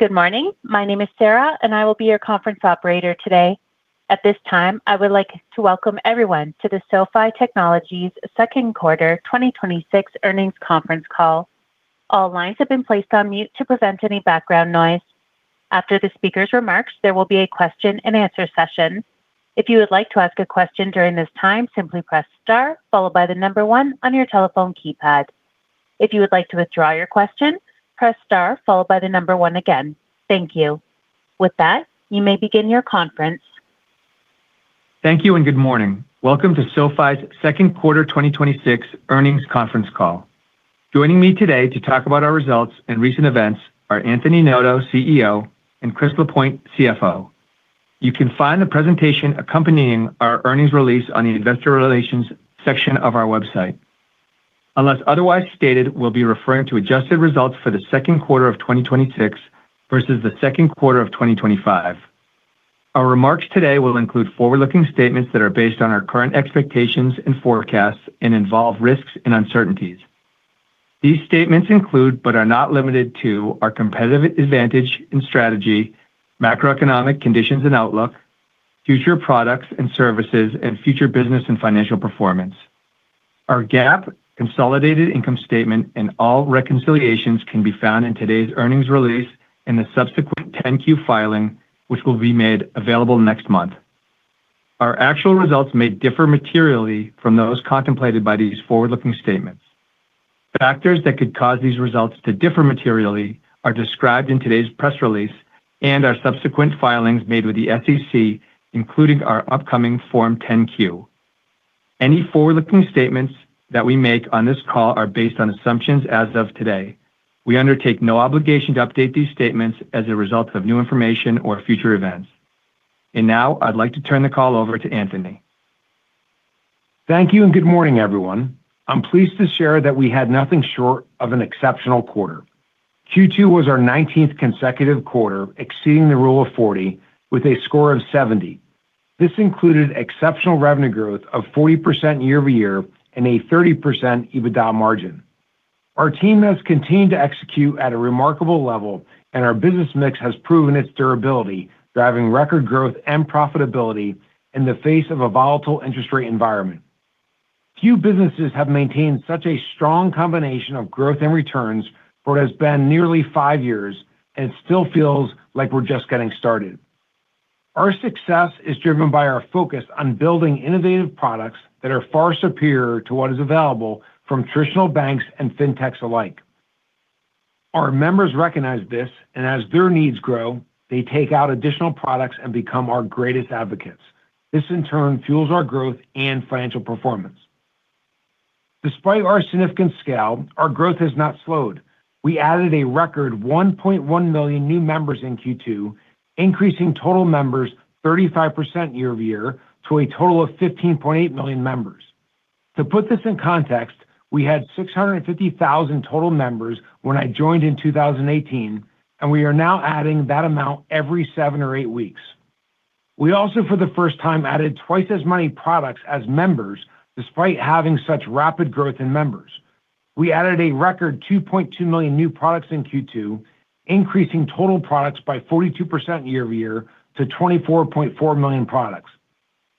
Good morning. My name is Sarah, and I will be your conference operator today. At this time, I would like to welcome everyone to the SoFi Technologies Second Quarter 2026 Earnings Conference Call. All lines have been placed on mute to prevent any background noise. After the speakers' remarks, there will be a question and answer session. If you would like to ask a question during this time, simply press star followed by the number one on your telephone keypad. If you would like to withdraw your question, press star followed by the number one again. Thank you. With that, you may begin your conference. Thank you and good morning. Welcome to SoFi's second quarter 2026 earnings conference call. Joining me today to talk about our results and recent events are Anthony Noto, CEO, and Chris Lapointe, CFO. You can find the presentation accompanying our earnings release on the investor relations section of our website. Unless otherwise stated, we'll be referring to adjusted results for the second quarter of 2026 versus the second quarter of 2025. Our remarks today will include forward-looking statements that are based on our current expectations and forecasts and involve risks and uncertainties. These statements include, but are not limited to, our competitive advantage and strategy, macroeconomic conditions and outlook, future products and services, and future business and financial performance. Our GAAP consolidated income statement and all reconciliations can be found in today's earnings release and the subsequent Form 10-Q filing, which will be made available next month. Our actual results may differ materially from those contemplated by these forward-looking statements. Factors that could cause these results to differ materially are described in today's press release and our subsequent filings made with the SEC, including our upcoming Form 10-Q. Any forward-looking statements that we make on this call are based on assumptions as of today. We undertake no obligation to update these statements as a result of new information or future events. Now I'd like to turn the call over to Anthony. Thank you and good morning, everyone. I'm pleased to share that we had nothing short of an exceptional quarter. Q2 was our 19th consecutive quarter exceeding the rule of 40 with a score of 70. This included exceptional revenue growth of 40% year-over-year and a 30% EBITDA margin. Our team has continued to execute at a remarkable level and our business mix has proven its durability, driving record growth and profitability in the face of a volatile interest rate environment. Few businesses have maintained such a strong combination of growth and returns for it has been nearly five years, and it still feels like we're just getting started. Our success is driven by our focus on building innovative products that are far superior to what is available from traditional banks and fintechs alike. Our members recognize this, and as their needs grow, they take out additional products and become our greatest advocates. This in turn fuels our growth and financial performance. Despite our significant scale, our growth has not slowed. We added a record 1.1 million new members in Q2, increasing total members 35% year-over-year to a total of 15.8 million members. To put this in context, we had 650,000 total members when I joined in 2018, and we are now adding that amount every seven or eight weeks. We also for the first time added twice as many products as members despite having such rapid growth in members. We added a record 2.2 million new products in Q2, increasing total products by 42% year-over-year to 24.4 million products.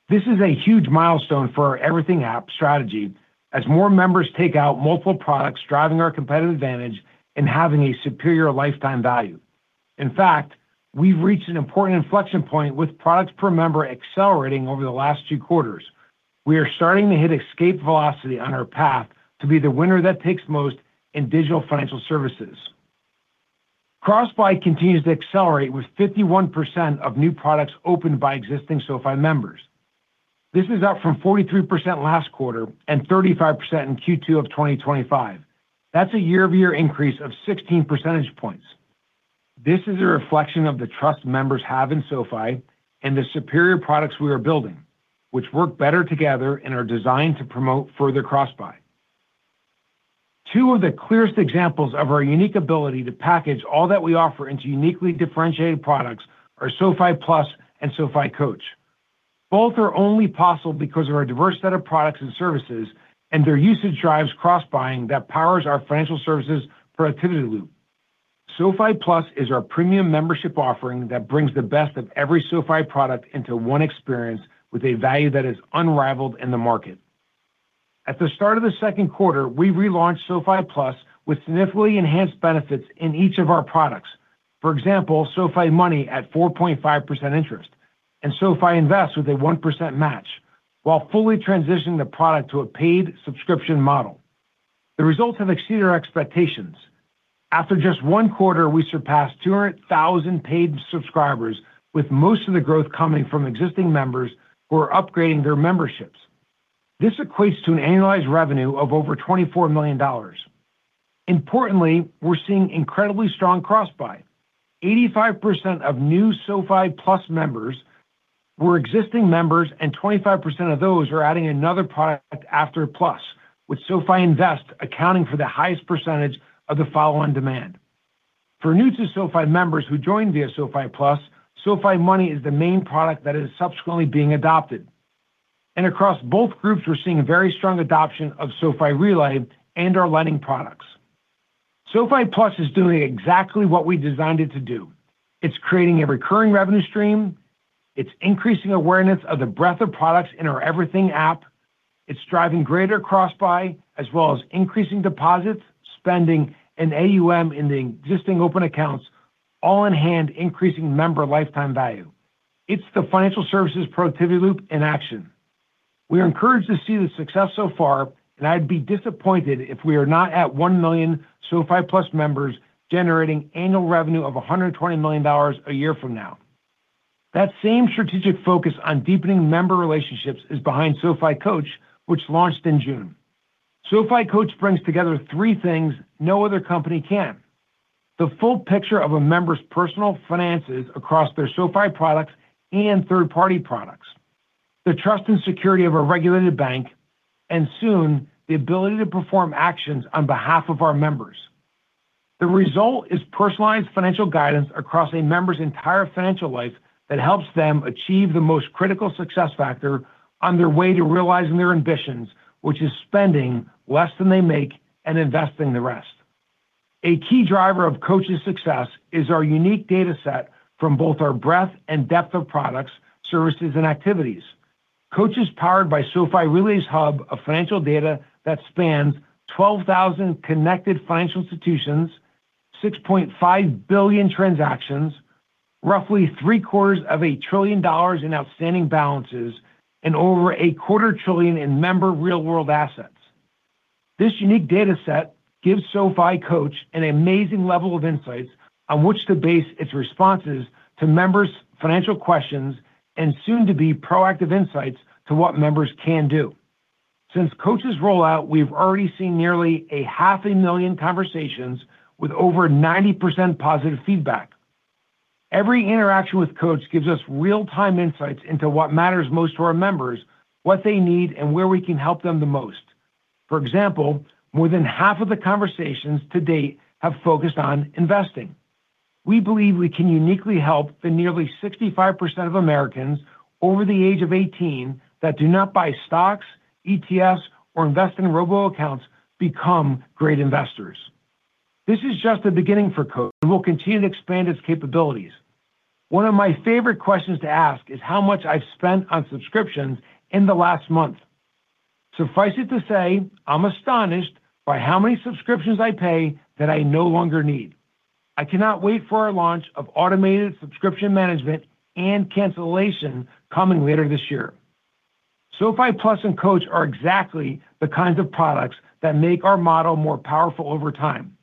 This is a huge milestone for our Everything App strategy as more members take out multiple products driving our competitive advantage and having a superior lifetime value. In fact, we've reached an important inflection point with products per member accelerating over the last two quarters. We are starting to hit escape velocity on our path to be the winner that takes most in digital financial services. Cross-buy continues to accelerate with 51% of new products opened by existing SoFi members. This is up from 43% last quarter and 35% in Q2 of 2025. That's a year-over-year increase of 16 percentage points. This is a reflection of the trust members have in SoFi and the superior products we are building, which work better together and are designed to promote further cross-buy. Two of the clearest examples of our unique ability to package all that we offer into uniquely differentiated products are SoFi Plus and SoFi Coach. Both are only possible because of our diverse set of products and services, and their usage drives cross-buying that powers our financial services productivity loop. SoFi Plus is our premium membership offering that brings the best of every SoFi product into one experience with a value that is unrivaled in the market. At the start of the second quarter, we relaunched SoFi Plus with significantly enhanced benefits in each of our products. For example, SoFi Money at 4.5% interest and SoFi Invest with a 1% match while fully transitioning the product to a paid subscription model. The results have exceeded our expectations. After just one quarter, we surpassed 200,000 paid subscribers with most of the growth coming from existing members who are upgrading their memberships. This equates to an annualized revenue of over $24 million. Importantly, we're seeing incredibly strong cross-buy. 85% of new SoFi Plus members were existing members, and 25% of those are adding another product after Plus, with SoFi Invest accounting for the highest percentage of the follow-on demand. For new to SoFi members who join via SoFi Plus, SoFi Money is the main product that is subsequently being adopted. Across both groups, we're seeing very strong adoption of SoFi Relay and our lending products. SoFi Plus is doing exactly what we designed it to do. It's creating a recurring revenue stream, it's increasing awareness of the breadth of products in our Everything App, it's driving greater cross-buy, as well as increasing deposits, spending and AUM in the existing open accounts, all in hand increasing member lifetime value. It's the financial services productivity loop in action. We are encouraged to see the success so far, and I'd be disappointed if we are not at 1 million SoFi Plus members generating annual revenue of $120 million a year from now. That same strategic focus on deepening member relationships is behind SoFi Coach, which launched in June. SoFi Coach brings together three things no other company can. The full picture of a member's personal finances across their SoFi products and third-party products, the trust and security of a regulated bank, and soon, the ability to perform actions on behalf of our members. The result is personalized financial guidance across a member's entire financial life that helps them achieve the most critical success factor on their way to realizing their ambitions, which is spending less than they make and investing the rest. A key driver of Coach's success is our unique data set from both our breadth and depth of products, services, and activities. Coach is powered by SoFi Relay's hub of financial data that spans 12,000 connected financial institutions, 6.5 billion transactions, roughly three-quarters of $1 trillion in outstanding balances, and over 0.25 trillion in member real-world assets. This unique data set gives SoFi Coach an amazing level of insights on which to base its responses to members' financial questions, and soon to be proactive insights to what members can do. Since Coach's rollout, we've already seen nearly a 0.5 million conversations, with over 90% positive feedback. Every interaction with Coach gives us real-time insights into what matters most to our members, what they need, and where we can help them the most. For example, more than half of the conversations to date have focused on investing. We believe we can uniquely help the nearly 65% of Americans over the age of 18 that do not buy stocks, ETFs, or invest in robo accounts become great investors. This is just the beginning for Coach. It will continue to expand its capabilities. One of my favorite questions to ask is how much I've spent on subscriptions in the last month. Suffice it to say, I'm astonished by how many subscriptions I pay that I no longer need. I cannot wait for our launch of automated subscription management and cancellation coming later this year. SoFi Plus and Coach are exactly the kinds of products that make our model more powerful over time.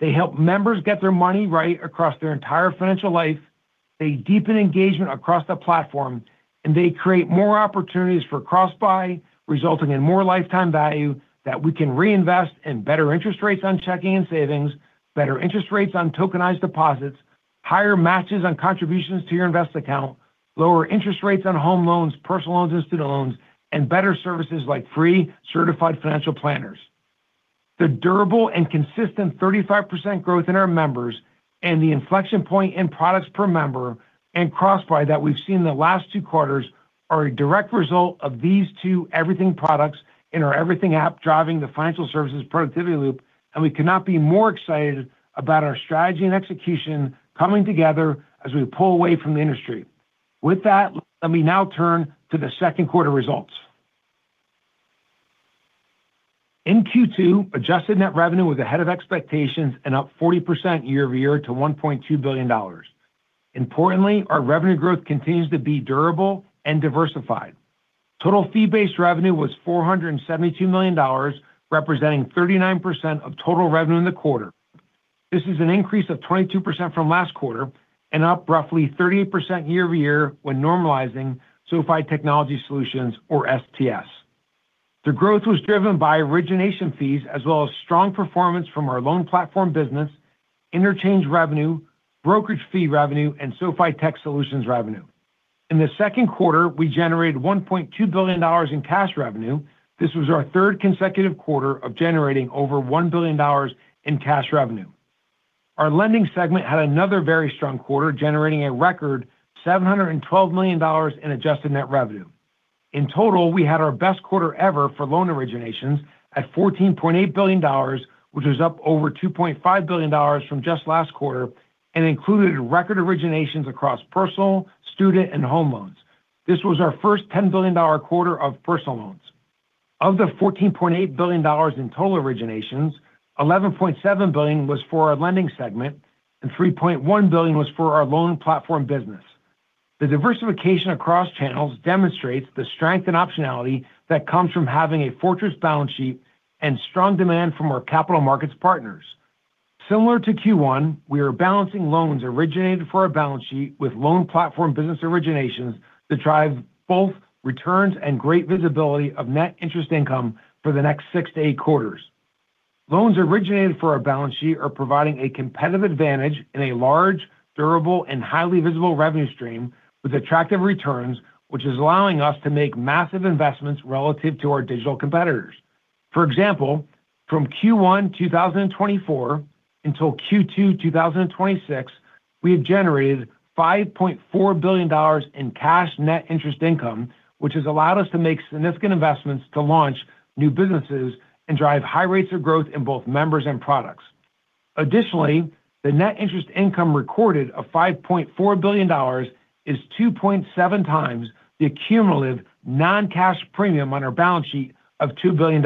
They help members get their money right across their entire financial life, they deepen engagement across the platform, and they create more opportunities for cross-buy, resulting in more lifetime value that we can reinvest in better interest rates on checking and savings, better interest rates on tokenized deposits, higher matches on contributions to your invest account, lower interest rates on home loans, personal loans, and student loans, and better services like free certified financial planners. The durable and consistent 35% growth in our members and the inflection point in products per member and cross-buy that we've seen in the last two quarters are a direct result of these two Everything products in our Everything app driving the financial services productivity loop, and we cannot be more excited about our strategy and execution coming together as we pull away from the industry. With that, let me now turn to the second quarter results. In Q2, adjusted net revenue was ahead of expectations and up 40% year-over-year to $1.2 billion. Importantly, our revenue growth continues to be durable and diversified. Total fee-based revenue was $472 million, representing 39% of total revenue in the quarter. This is an increase of 22% from last quarter, and up roughly 38% year-over-year when normalizing SoFi Tech Solutions, or STS. The growth was driven by origination fees as well as strong performance from our Loan Platform Business, interchange revenue, brokerage fee revenue, and SoFi Tech Solutions revenue. In the second quarter, we generated $1.2 billion in cash revenue. This was our third consecutive quarter of generating over $1 billion in cash revenue. Our lending segment had another very strong quarter, generating a record $712 million in adjusted net revenue. In total, we had our best quarter ever for loan originations at $14.8 billion, which was up over $2.5 billion from just last quarter, and included record originations across personal, student, and home loans. This was our first $10 billion quarter of personal loans. Of the $14.8 billion in total originations, $11.7 billion was for our lending segment and $3.1 billion was for our Loan Platform Business. The diversification across channels demonstrates the strength and optionality that comes from having a fortress balance sheet and strong demand from our capital markets partners. Similar to Q1, we are balancing loans originated for our balance sheet with Loan Platform Business originations that drive both returns and great visibility of net interest income for the next six to eight quarters. Loans originated for our balance sheet are providing a competitive advantage in a large, durable, and highly visible revenue stream with attractive returns, which is allowing us to make massive investments relative to our digital competitors. For example, from Q1 2024 until Q2 2026, we have generated $5.4 billion in cash net interest income, which has allowed us to make significant investments to launch new businesses and drive high rates of growth in both members and products. Additionally, the net interest income recorded of $5.4 billion is 2.7x the accumulative non-cash premium on our balance sheet of $2 billion.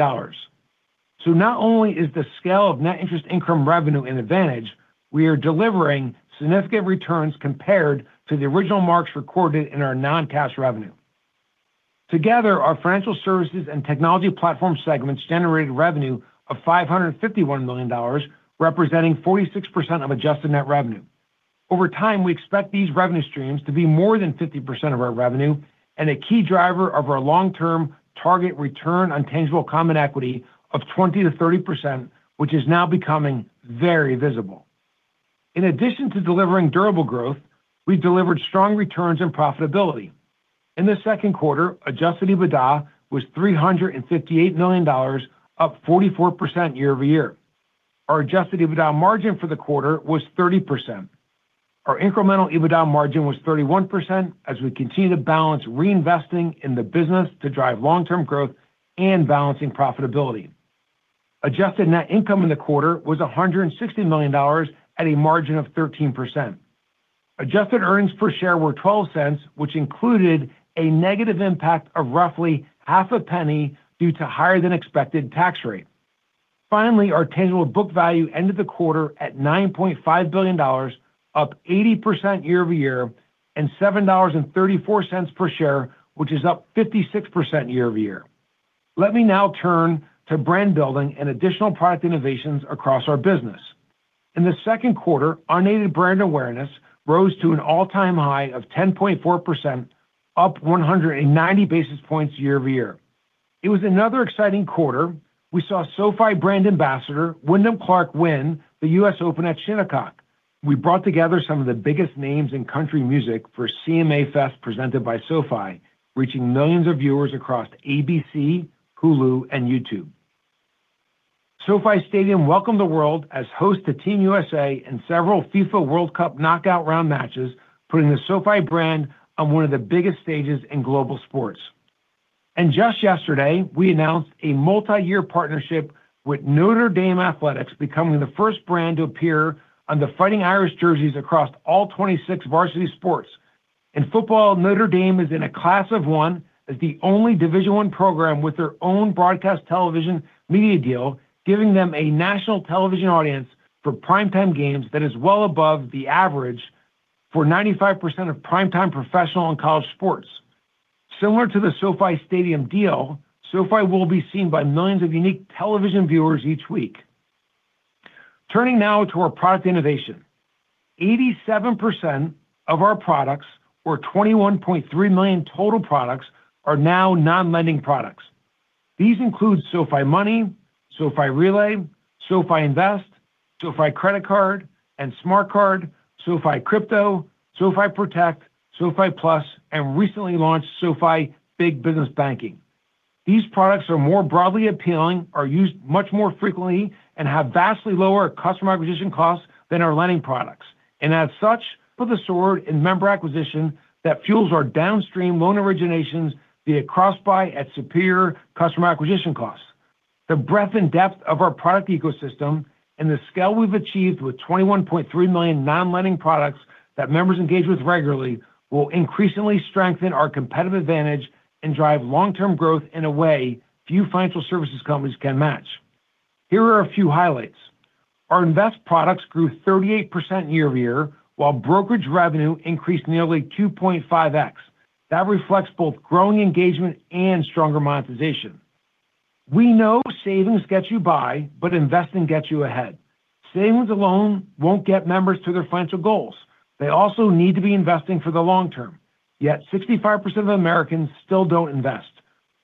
So not only is the scale of net interest income revenue an advantage, we are delivering significant returns compared to the original marks recorded in our non-cash revenue. Together, our financial services and technology platform segments generated revenue of $551 million, representing 46% of adjusted net revenue. Over time, we expect these revenue streams to be more than 50% of our revenue and a key driver of our long-term target return on tangible common equity of 20%-30%, which is now becoming very visible. In addition to delivering durable growth, we've delivered strong returns and profitability. In the second quarter, adjusted EBITDA was $358 million, up 44% year-over-year. Our adjusted EBITDA margin for the quarter was 30%. Our incremental EBITDA margin was 31% as we continue to balance reinvesting in the business to drive long-term growth and balancing profitability. Adjusted net income in the quarter was $160 million at a margin of 13%. Adjusted earnings per share were $0.12, which included a negative impact of roughly $0.005 due to higher-than-expected tax rate. Finally, our tangible book value ended the quarter at $9.5 billion, up 80% year-over-year, and $7.34 per share, which is up 56% year-over-year. Let me now turn to brand building and additional product innovations across our business. In the second quarter, unaided brand awareness rose to an all-time high of 10.4%, up 190 basis points year-over-year. It was another exciting quarter. We saw SoFi Brand Ambassador Wyndham Clark win the U.S. Open at Shinnecock. We brought together some of the biggest names in country music for CMA Fest presented by SoFi, reaching millions of viewers across ABC, Hulu, and YouTube. SoFi Stadium welcomed the world as host to Team USA and several FIFA World Cup knockout round matches, putting the SoFi brand on one of the biggest stages in global sports. Just yesterday, we announced a multi-year partnership with Notre Dame Athletics, becoming the first brand to appear on the Fighting Irish jerseys across all 26 varsity sports. In football, Notre Dame is in a class of one as the only Division I program with their own broadcast television media deal, giving them a national television audience for primetime games that is well above the average for 95% of primetime professional and college sports. Similar to the SoFi Stadium deal, SoFi will be seen by millions of unique television viewers each week. Turning now to our product innovation. 87% of our products, or 21.3 million total products, are now non-lending products. These include SoFi Money, SoFi Relay, SoFi Invest, SoFi Credit Card and Smart Card, SoFi Crypto, SoFi Protect, SoFi Plus, and recently launched SoFi Big Business Banking. These products are more broadly appealing, are used much more frequently, and have vastly lower customer acquisition costs than our lending products. As such, put the sword in member acquisition that fuels our downstream loan originations via cross-buy at superior customer acquisition costs. The breadth and depth of our product ecosystem and the scale we've achieved with 21.3 million non-lending products that members engage with regularly will increasingly strengthen our competitive advantage and drive long-term growth in a way few financial services companies can match. Here are a few highlights. Our Invest products grew 38% year-over-year, while brokerage revenue increased nearly 2.5x. That reflects both growing engagement and stronger monetization. We know savings gets you by, but investing gets you ahead. Savings alone won't get members to their financial goals. They also need to be investing for the long term. Yet 65% of Americans still don't invest.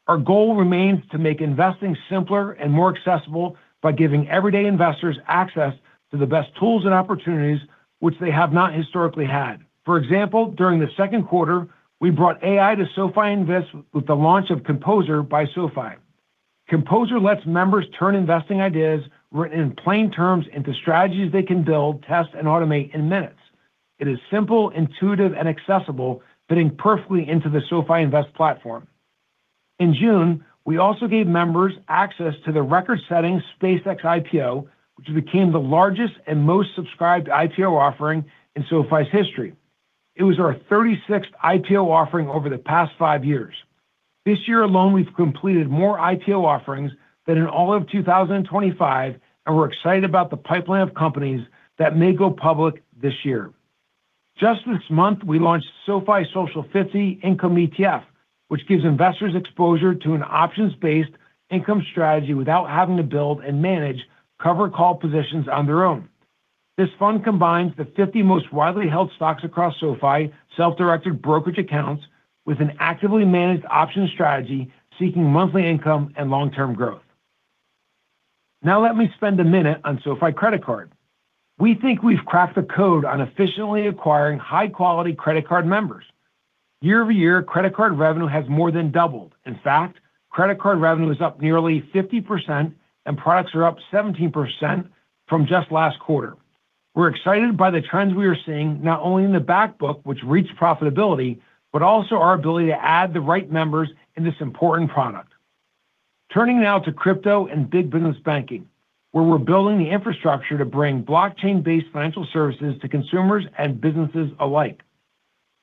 Our goal remains to make investing simpler and more accessible by giving everyday investors access to the best tools and opportunities which they have not historically had. For example, during the second quarter, we brought AI to SoFi Invest with the launch of Composer by SoFi. Composer lets members turn investing ideas written in plain terms into strategies they can build, test, and automate in minutes. It is simple, intuitive, and accessible, fitting perfectly into the SoFi Invest platform. In June, we also gave members access to the record-setting SpaceX IPO, which became the largest and most subscribed IPO offering in SoFi's history. It was our 36th IPO offering over the past five years. This year alone, we've completed more IPO offerings than in all of 2025, and we're excited about the pipeline of companies that may go public this year. Just this month, we launched SoFi Social 50 Income ETF, which gives investors exposure to an options-based income strategy without having to build and manage cover call positions on their own. This fund combines the 50 most widely held stocks across SoFi self-directed brokerage accounts with an actively managed options strategy seeking monthly income and long-term growth. Let me spend a minute on SoFi Credit Card. We think we've cracked the code on efficiently acquiring high-quality credit card members. Year-over-year, credit card revenue has more than doubled. In fact, credit card revenue is up nearly 50% and products are up 17% from just last quarter. We're excited by the trends we are seeing, not only in the back book, which reached profitability, but also our ability to add the right members in this important product. Turning now to crypto and Big Business Banking, where we're building the infrastructure to bring blockchain-based financial services to consumers and businesses alike.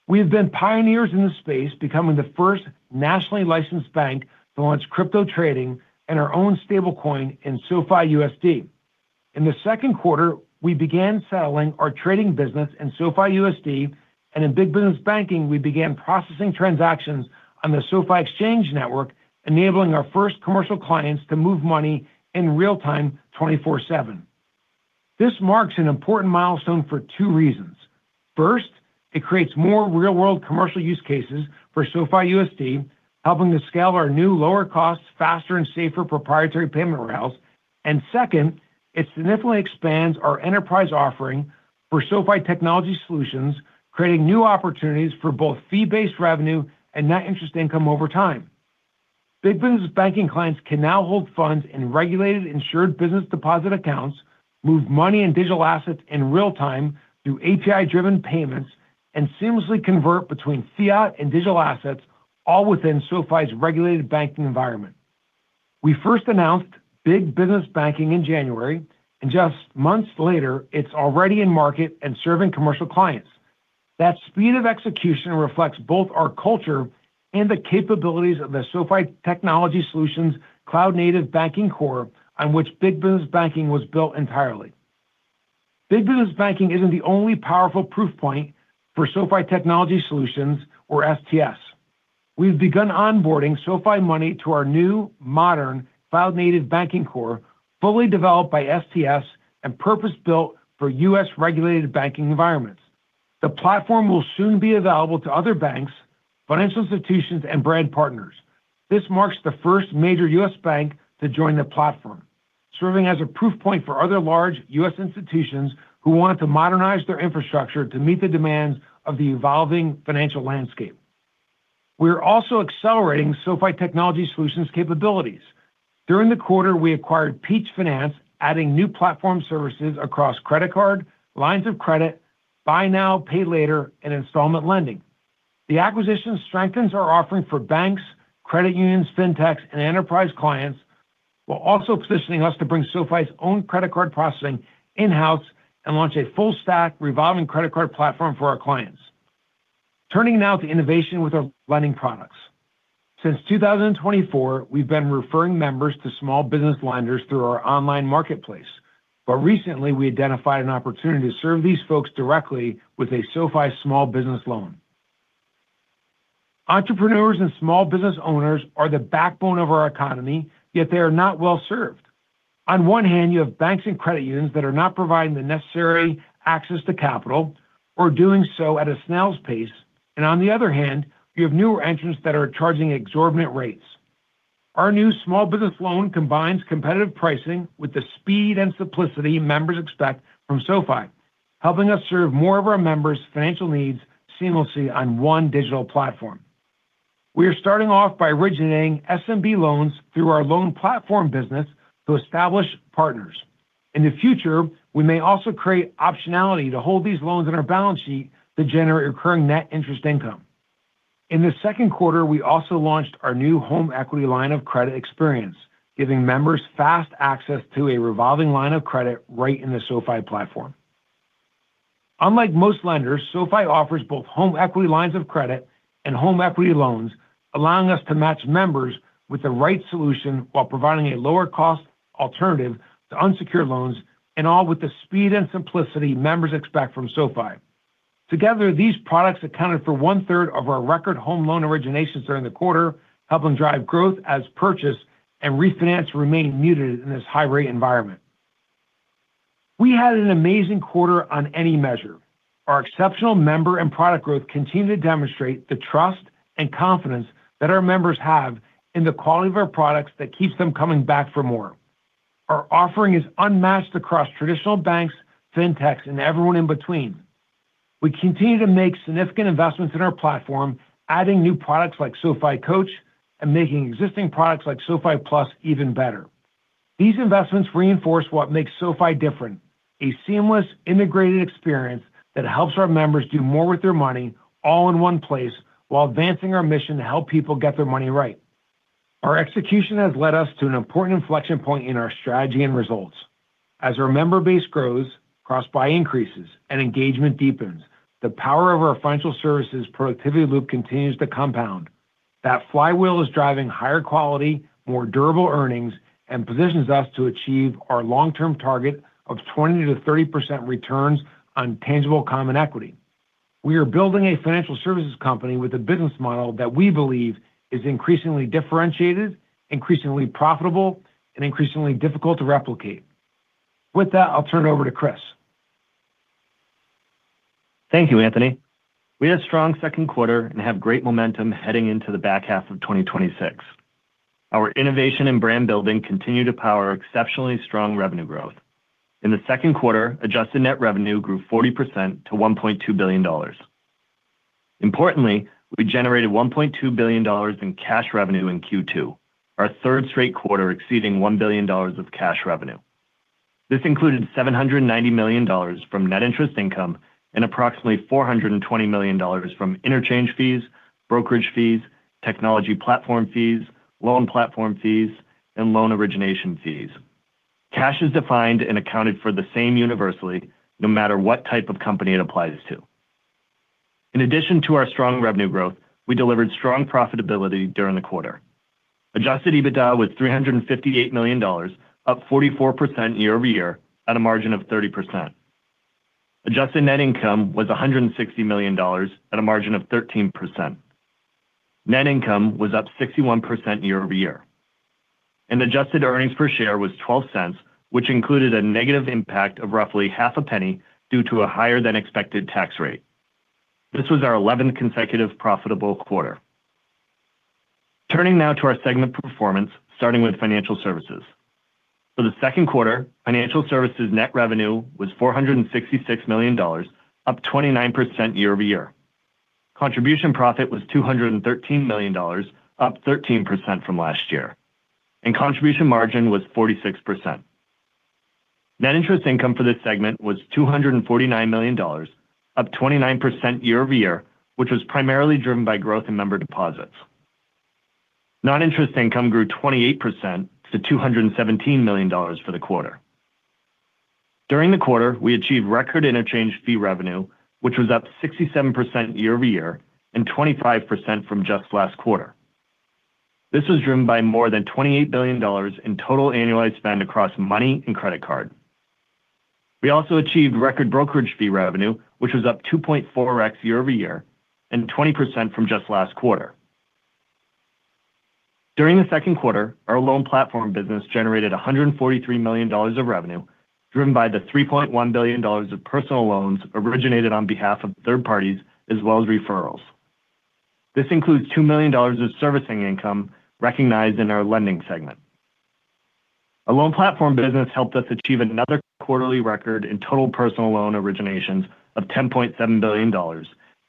We have been pioneers in this space, becoming the first nationally licensed bank to launch crypto trading and our own stablecoin in SoFiUSD. In the second quarter, we began settling our trading business in SoFiUSD and in Big Business Banking, we began processing transactions on the SoFi Exchange Network, enabling our first commercial clients to move money in real time 24/7. This marks an important milestone for two reasons. First, it creates more real-world commercial use cases for SoFiUSD, helping to scale our new lower costs faster and safer proprietary payment rails. Second, it significantly expands our enterprise offering for SoFi Technology Solutions, creating new opportunities for both fee-based revenue and net interest income over time. Big Business Banking clients can now hold funds in regulated insured business deposit accounts, move money and digital assets in real time through API-driven payments, and seamlessly convert between fiat and digital assets all within SoFi's regulated banking environment. We first announced Big Business Banking in January, and just months later, it's already in market and serving commercial clients. That speed of execution reflects both our culture and the capabilities of the SoFi Technology Solutions cloud-native banking core, on which Big Business Banking was built entirely. Big Business Banking isn't the only powerful proof point for SoFi Technology Solutions or STS. We've begun onboarding SoFi Money to our new modern cloud-native banking core, fully developed by STS and purpose-built for U.S.-regulated banking environments. The platform will soon be available to other banks, financial institutions, and brand partners. This marks the first major U.S. bank to join the platform, serving as a proof point for other large U.S. institutions who wanted to modernize their infrastructure to meet the demands of the evolving financial landscape. We are also accelerating SoFi Technology Solutions capabilities. During the quarter, we acquired Peach Finance, adding new platform services across credit card, lines of credit, buy now, pay later, and installment lending. The acquisition strengthens our offering for banks, credit unions, fintechs, and enterprise clients, while also positioning us to bring SoFi's own credit card processing in-house and launch a full stack revolving credit card platform for our clients. Turning now to innovation with our lending products. Since 2024, we've been referring members to small business lenders through our online marketplace. Recently, we identified an opportunity to serve these folks directly with a SoFi Small Business Loan. Entrepreneurs and small business owners are the backbone of our economy, yet they are not well-served. On one hand, you have banks and credit unions that are not providing the necessary access to capital or doing so at a snail's pace. On the other hand, you have newer entrants that are charging exorbitant rates. Our new Small Business Loan combines competitive pricing with the speed and simplicity members expect from SoFi, helping us serve more of our members' financial needs seamlessly on one digital platform. We are starting off by originating SMB loans through our Loan Platform Business to establish partners. In the future, we may also create optionality to hold these loans on our balance sheet to generate recurring net interest income. In the second quarter, we also launched our new home equity line of credit experience, giving members fast access to a revolving line of credit right in the SoFi platform. Unlike most lenders, SoFi offers both home equity lines of credit and home equity loans, allowing us to match members with the right solution while providing a lower-cost alternative to unsecured loans and all with the speed and simplicity members expect from SoFi. Together, these products accounted for 1/3 of our record home loan originations during the quarter, helping drive growth as purchase and refinance remained muted in this high-rate environment. We had an amazing quarter on any measure. Our exceptional member and product growth continue to demonstrate the trust and confidence that our members have in the quality of our products that keeps them coming back for more. Our offering is unmatched across traditional banks, fintechs, and everyone in between. We continue to make significant investments in our platform, adding new products like SoFi Coach and making existing products like SoFi Plus even better. These investments reinforce what makes SoFi different, a seamless, integrated experience that helps our members do more with their money all in one place while advancing our mission to help people get their money right. Our execution has led us to an important inflection point in our strategy and results. As our member base grows, cross-buy increases, and engagement deepens, the power of our financial services productivity loop continues to compound. That flywheel is driving higher quality, more durable earnings, and positions us to achieve our long-term target of 20%-30% returns on tangible common equity. We are building a financial services company with a business model that we believe is increasingly differentiated, increasingly profitable, and increasingly difficult to replicate. With that, I'll turn it over to Chris. Thank you, Anthony. We had a strong second quarter and have great momentum heading into the back half of 2026. Our innovation and brand building continue to power exceptionally strong revenue growth. In the second quarter, adjusted net revenue grew 40% to $1.2 billion. Importantly, we generated $1.2 billion in cash revenue in Q2, our third straight quarter exceeding $1 billion of cash revenue. This included $790 million from net interest income and approximately $420 million from interchange fees, brokerage fees, technology platform fees, loan platform fees, and loan origination fees. Cash is defined and accounted for the same universally, no matter what type of company it applies to. In addition to our strong revenue growth, we delivered strong profitability during the quarter. Adjusted EBITDA was $358 million, up 44% year-over-year at a margin of 30%. Adjusted net income was $160 million at a margin of 13%. Net income was up 61% year-over-year. Adjusted earnings per share was $0.12, which included a negative impact of roughly $0.005 due to a higher-than-expected tax rate. This was our 11th consecutive profitable quarter. Turning now to our segment performance, starting with Financial Services. For the second quarter, Financial Services net revenue was $466 million, up 29% year-over-year. Contribution profit was $213 million, up 13% from last year. Contribution margin was 46%. Net interest income for this segment was $249 million, up 29% year-over-year, which was primarily driven by growth in member deposits. Non-interest income grew 28% to $217 million for the quarter. During the quarter, we achieved record interchange fee revenue, which was up 67% year-over-year and 25% from just last quarter. This was driven by more than $28 billion in total annualized spend across Money and Credit Card. We also achieved record brokerage fee revenue, which was up 2.4x year-over-year and 20% from just last quarter. During the second quarter, our Loan Platform Business generated $143 million of revenue, driven by the $3.1 billion of personal loans originated on behalf of third parties, as well as referrals. This includes $2 million of servicing income recognized in our lending segment. Our Loan Platform Business helped us achieve another quarterly record in total personal loan originations of $10.7 billion,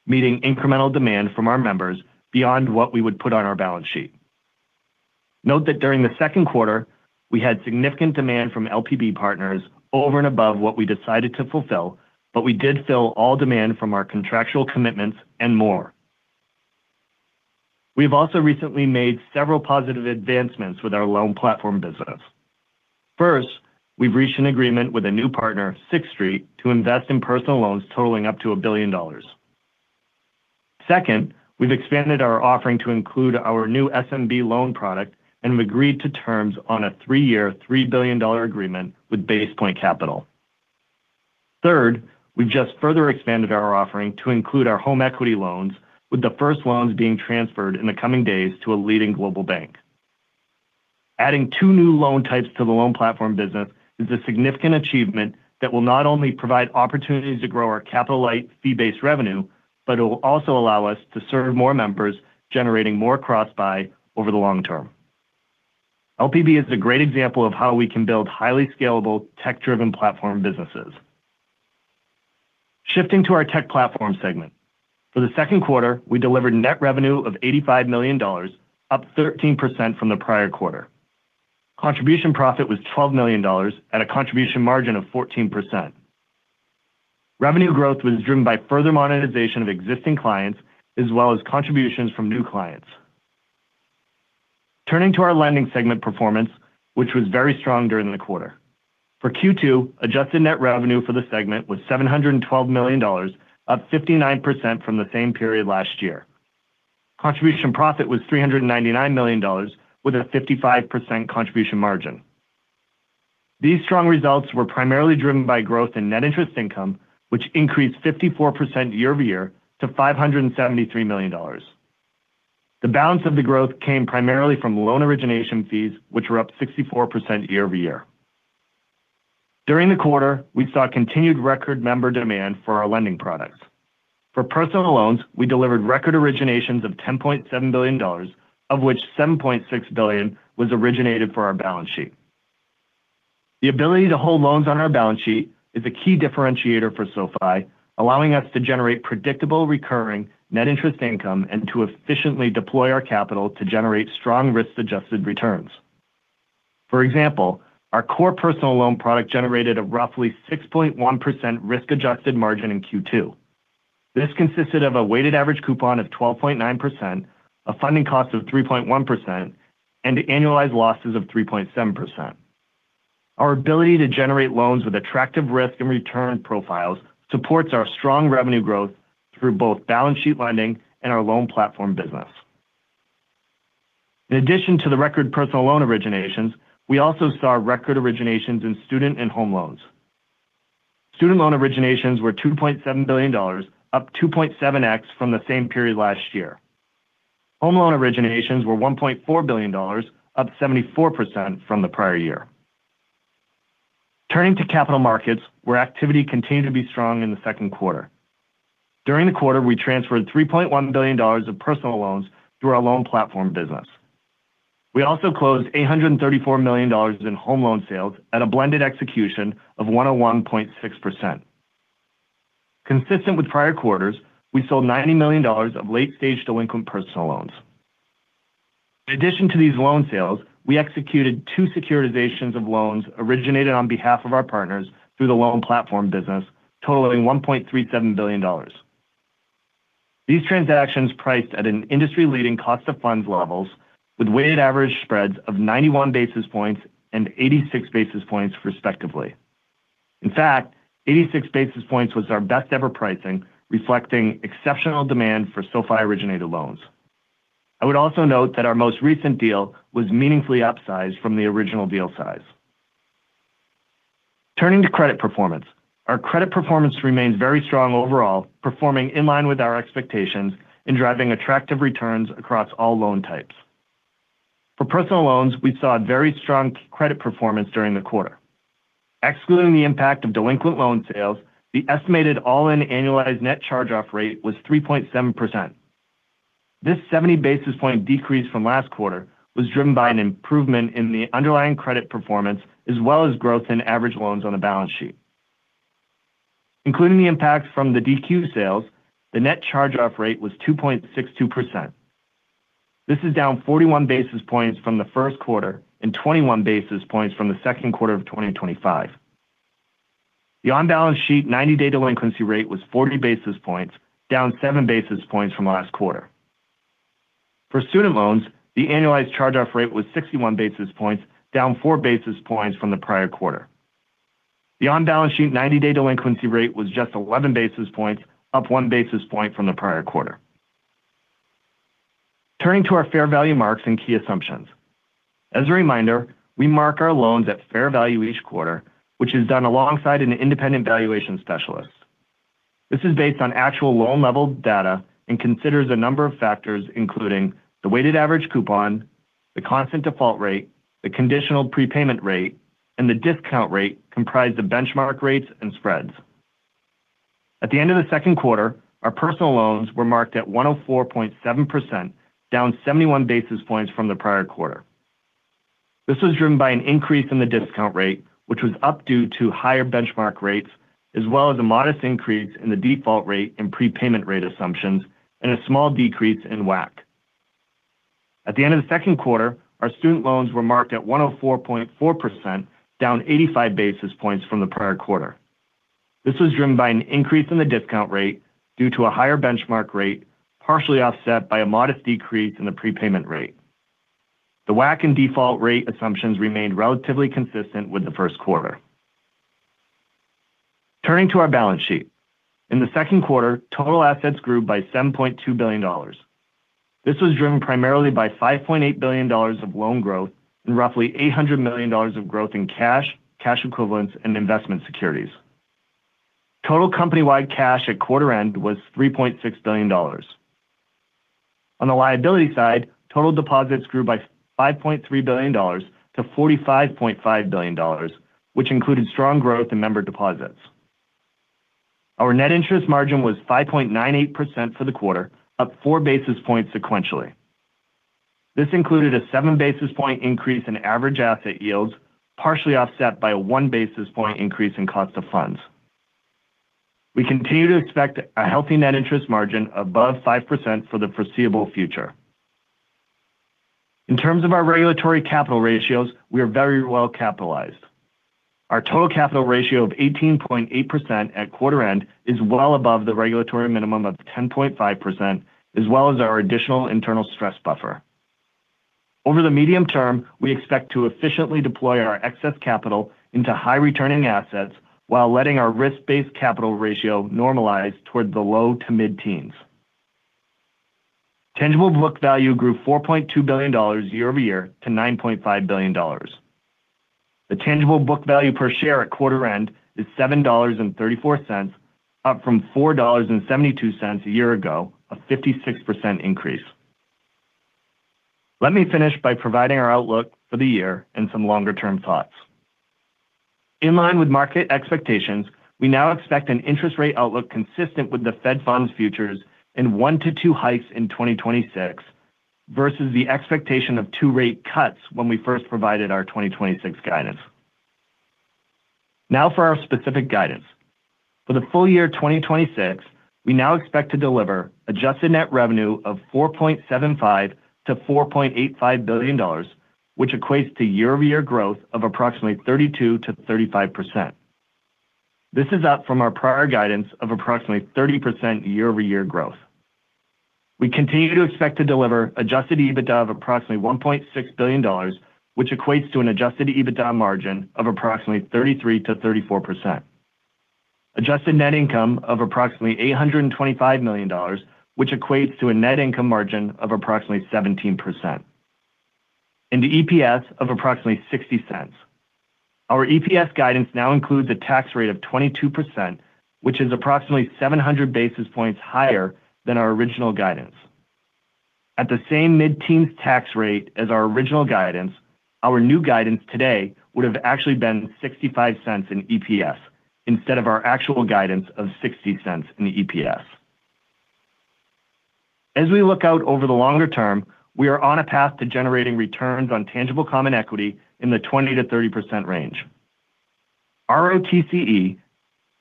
meeting incremental demand from our members beyond what we would put on our balance sheet. Note that during the second quarter, we had significant demand from LPB partners over and above what we decided to fulfill, but we did fill all demand from our contractual commitments and more. We've also recently made several positive advancements with our Loan Platform Business. First, we've reached an agreement with a new partner, Sixth Street, to invest in personal loans totaling up to $1 billion. Second, we've expanded our offering to include our new SMB loan product and have agreed to terms on a three-year, $3 billion agreement with BasePoint Capital. Third, we just further expanded our offering to include our home equity loans, with the first loans being transferred in the coming days to a leading global bank. Adding two new loan types to the Loan Platform Business is a significant achievement that will not only provide opportunities to grow our capital-light fee-based revenue, but it will also allow us to serve more members, generating more cross-buy over the long term. LPB is a great example of how we can build highly scalable, tech-driven platform businesses. Shifting to our Tech Platform segment. For the second quarter, we delivered net revenue of $85 million, up 13% from the prior quarter. Contribution profit was $12 million at a contribution margin of 14%. Revenue growth was driven by further monetization of existing clients, as well as contributions from new clients. Turning to our Lending segment performance, which was very strong during the quarter. For Q2, adjusted net revenue for the segment was $712 million, up 59% from the same period last year. Contribution profit was $399 million with a 55% contribution margin. These strong results were primarily driven by growth in net interest income, which increased 54% year-over-year to $573 million. The balance of the growth came primarily from loan origination fees, which were up 64% year-over-year. During the quarter, we saw continued record member demand for our lending products. For personal loans, we delivered record originations of $10.7 billion, of which $7.6 billion was originated for our balance sheet. The ability to hold loans on our balance sheet is a key differentiator for SoFi, allowing us to generate predictable, recurring net interest income and to efficiently deploy our capital to generate strong risk-adjusted returns. For example, our core personal loan product generated a roughly 6.1% risk-adjusted margin in Q2. This consisted of a weighted average coupon of 12.9%, a funding cost of 3.1%, and annualized losses of 3.7%. Our ability to generate loans with attractive risk and return profiles supports our strong revenue growth through both balance sheet lending and our Loan Platform Business. In addition to the record personal loan originations, we also saw record originations in student and home loans. Student loan originations were $2.7 billion, up 2.7x from the same period last year. Home loan originations were $1.4 billion, up 74% from the prior year. Turning to capital markets, where activity continued to be strong in the second quarter. During the quarter, we transferred $3.1 billion of personal loans through our Loan Platform Business. We also closed $834 million in home loan sales at a blended execution of 101.6%. Consistent with prior quarters, we sold $90 million of late-stage delinquent personal loans. In addition to these loan sales, we executed two securitizations of loans originated on behalf of our partners through the Loan Platform Business, totaling $1.37 billion. These transactions priced at an industry-leading cost of funds levels with weighted average spreads of 91 basis points and 86 basis points, respectively. In fact, 86 basis points was our best-ever pricing, reflecting exceptional demand for SoFi-originated loans. I would also note that our most recent deal was meaningfully upsized from the original deal size. Turning to credit performance. Our credit performance remains very strong overall, performing in line with our expectations in driving attractive returns across all loan types. For personal loans, we saw very strong credit performance during the quarter. Excluding the impact of delinquent loan sales, the estimated all-in annualized net charge-off rate was 3.7%. This 70 basis point decrease from last quarter was driven by an improvement in the underlying credit performance, as well as growth in average loans on the balance sheet. Including the impact from the DQ sales, the net charge-off rate was 2.62%. This is down 41 basis points from the first quarter and 21 basis points from the second quarter of 2025. The on-balance sheet 90-day delinquency rate was 40 basis points, down 7 basis points from last quarter. For student loans, the annualized charge-off rate was 61 basis points, down 4 basis points from the prior quarter. The on-balance sheet 90-day delinquency rate was just 11 basis points, up 1 basis point from the prior quarter. Turning to our fair value marks and key assumptions. As a reminder, we mark our loans at fair value each quarter, which is done alongside an independent valuation specialist. This is based on actual loan-level data and considers a number of factors, including the weighted average coupon, the constant default rate, the conditional prepayment rate, and the discount rate comprised of benchmark rates and spreads. At the end of the second quarter, our personal loans were marked at 104.7%, down 71 basis points from the prior quarter. This was driven by an increase in the discount rate, which was up due to higher benchmark rates, as well as a modest increase in the default rate and prepayment rate assumptions, and a small decrease in WACC. At the end of the second quarter, our student loans were marked at 104.4%, down 85 basis points from the prior quarter. This was driven by an increase in the discount rate due to a higher benchmark rate, partially offset by a modest decrease in the prepayment rate. The WACC and default rate assumptions remained relatively consistent with the first quarter. Turning to our balance sheet. In the second quarter, total assets grew by $7.2 billion. This was driven primarily by $5.8 billion of loan growth and roughly $800 million of growth in cash equivalents, and investment securities. Total company-wide cash at quarter end was $3.6 billion. On the liability side, total deposits grew by $5.3 billion to $45.5 billion, which included strong growth in member deposits. Our net interest margin was 5.98% for the quarter, up 4 basis points sequentially. This included a 7 basis point increase in average asset yields, partially offset by a 1 basis point increase in cost of funds. We continue to expect a healthy net interest margin above 5% for the foreseeable future. In terms of our regulatory capital ratios, we are very well capitalized. Our total capital ratio of 18.8% at quarter end is well above the regulatory minimum of 10.5%, as well as our additional internal stress buffer. Over the medium term, we expect to efficiently deploy our excess capital into high-returning assets while letting our risk-based capital ratio normalize toward the low to mid-teens. Tangible book value grew $4.2 billion year-over-year to $9.5 billion. The tangible book value per share at quarter end is $7.34, up from $4.72 a year ago, a 56% increase. Let me finish by providing our outlook for the year and some longer-term thoughts. In line with market expectations, we now expect an interest rate outlook consistent with the Fed funds features and one-two hikes in 2026, versus the expectation of two rate cuts when we first provided our 2026 guidance. For our specific guidance. For the full year 2026, we now expect to deliver adjusted net revenue of $4.75 billion-$4.85 billion, which equates to year-over-year growth of approximately 32%-35%. This is up from our prior guidance of approximately 30% year-over-year growth. We continue to expect to deliver adjusted EBITDA of approximately $1.6 billion, which equates to an adjusted EBITDA margin of approximately 33%-34%. Adjusted net income of approximately $825 million, which equates to a net income margin of approximately 17%. The EPS of approximately $0.60. Our EPS guidance now includes a tax rate of 22%, which is approximately 700 basis points higher than our original guidance. At the same mid-teens tax rate as our original guidance, our new guidance today would have actually been $0.65 in EPS instead of our actual guidance of $0.60 in the EPS. As we look out over the longer term, we are on a path to generating returns on tangible common equity in the 20%-30% range. ROTCE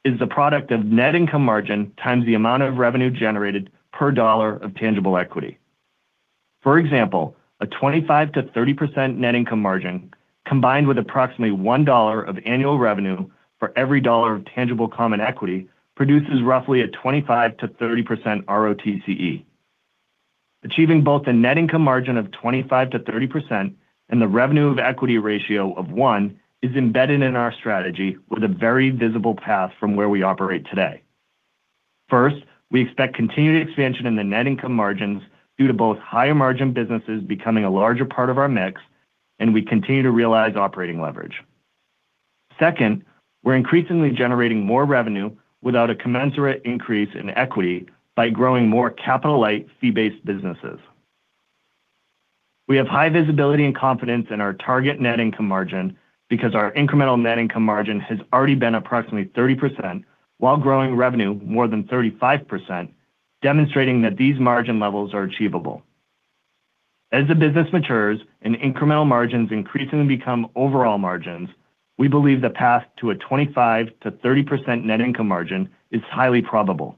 is the product of net income margin times the amount of revenue generated per dollar of tangible equity. For example, a 25%-30% net income margin combined with approximately $1 of annual revenue for every dollar of tangible common equity produces roughly a 25%-30% ROTCE. Achieving both a net income margin of 25%-30% and the revenue of equity ratio of 1.0 is embedded in our strategy with a very visible path from where we operate today. First, we expect continued expansion in the net income margins due to both higher margin businesses becoming a larger part of our mix, and we continue to realize operating leverage. Second, we're increasingly generating more revenue without a commensurate increase in equity by growing more capital light fee-based businesses. We have high visibility and confidence in our target net income margin because our incremental net income margin has already been approximately 30% while growing revenue more than 35%, demonstrating that these margin levels are achievable. As the business matures and incremental margins increasingly become overall margins, we believe the path to a 25%-30% net income margin is highly probable.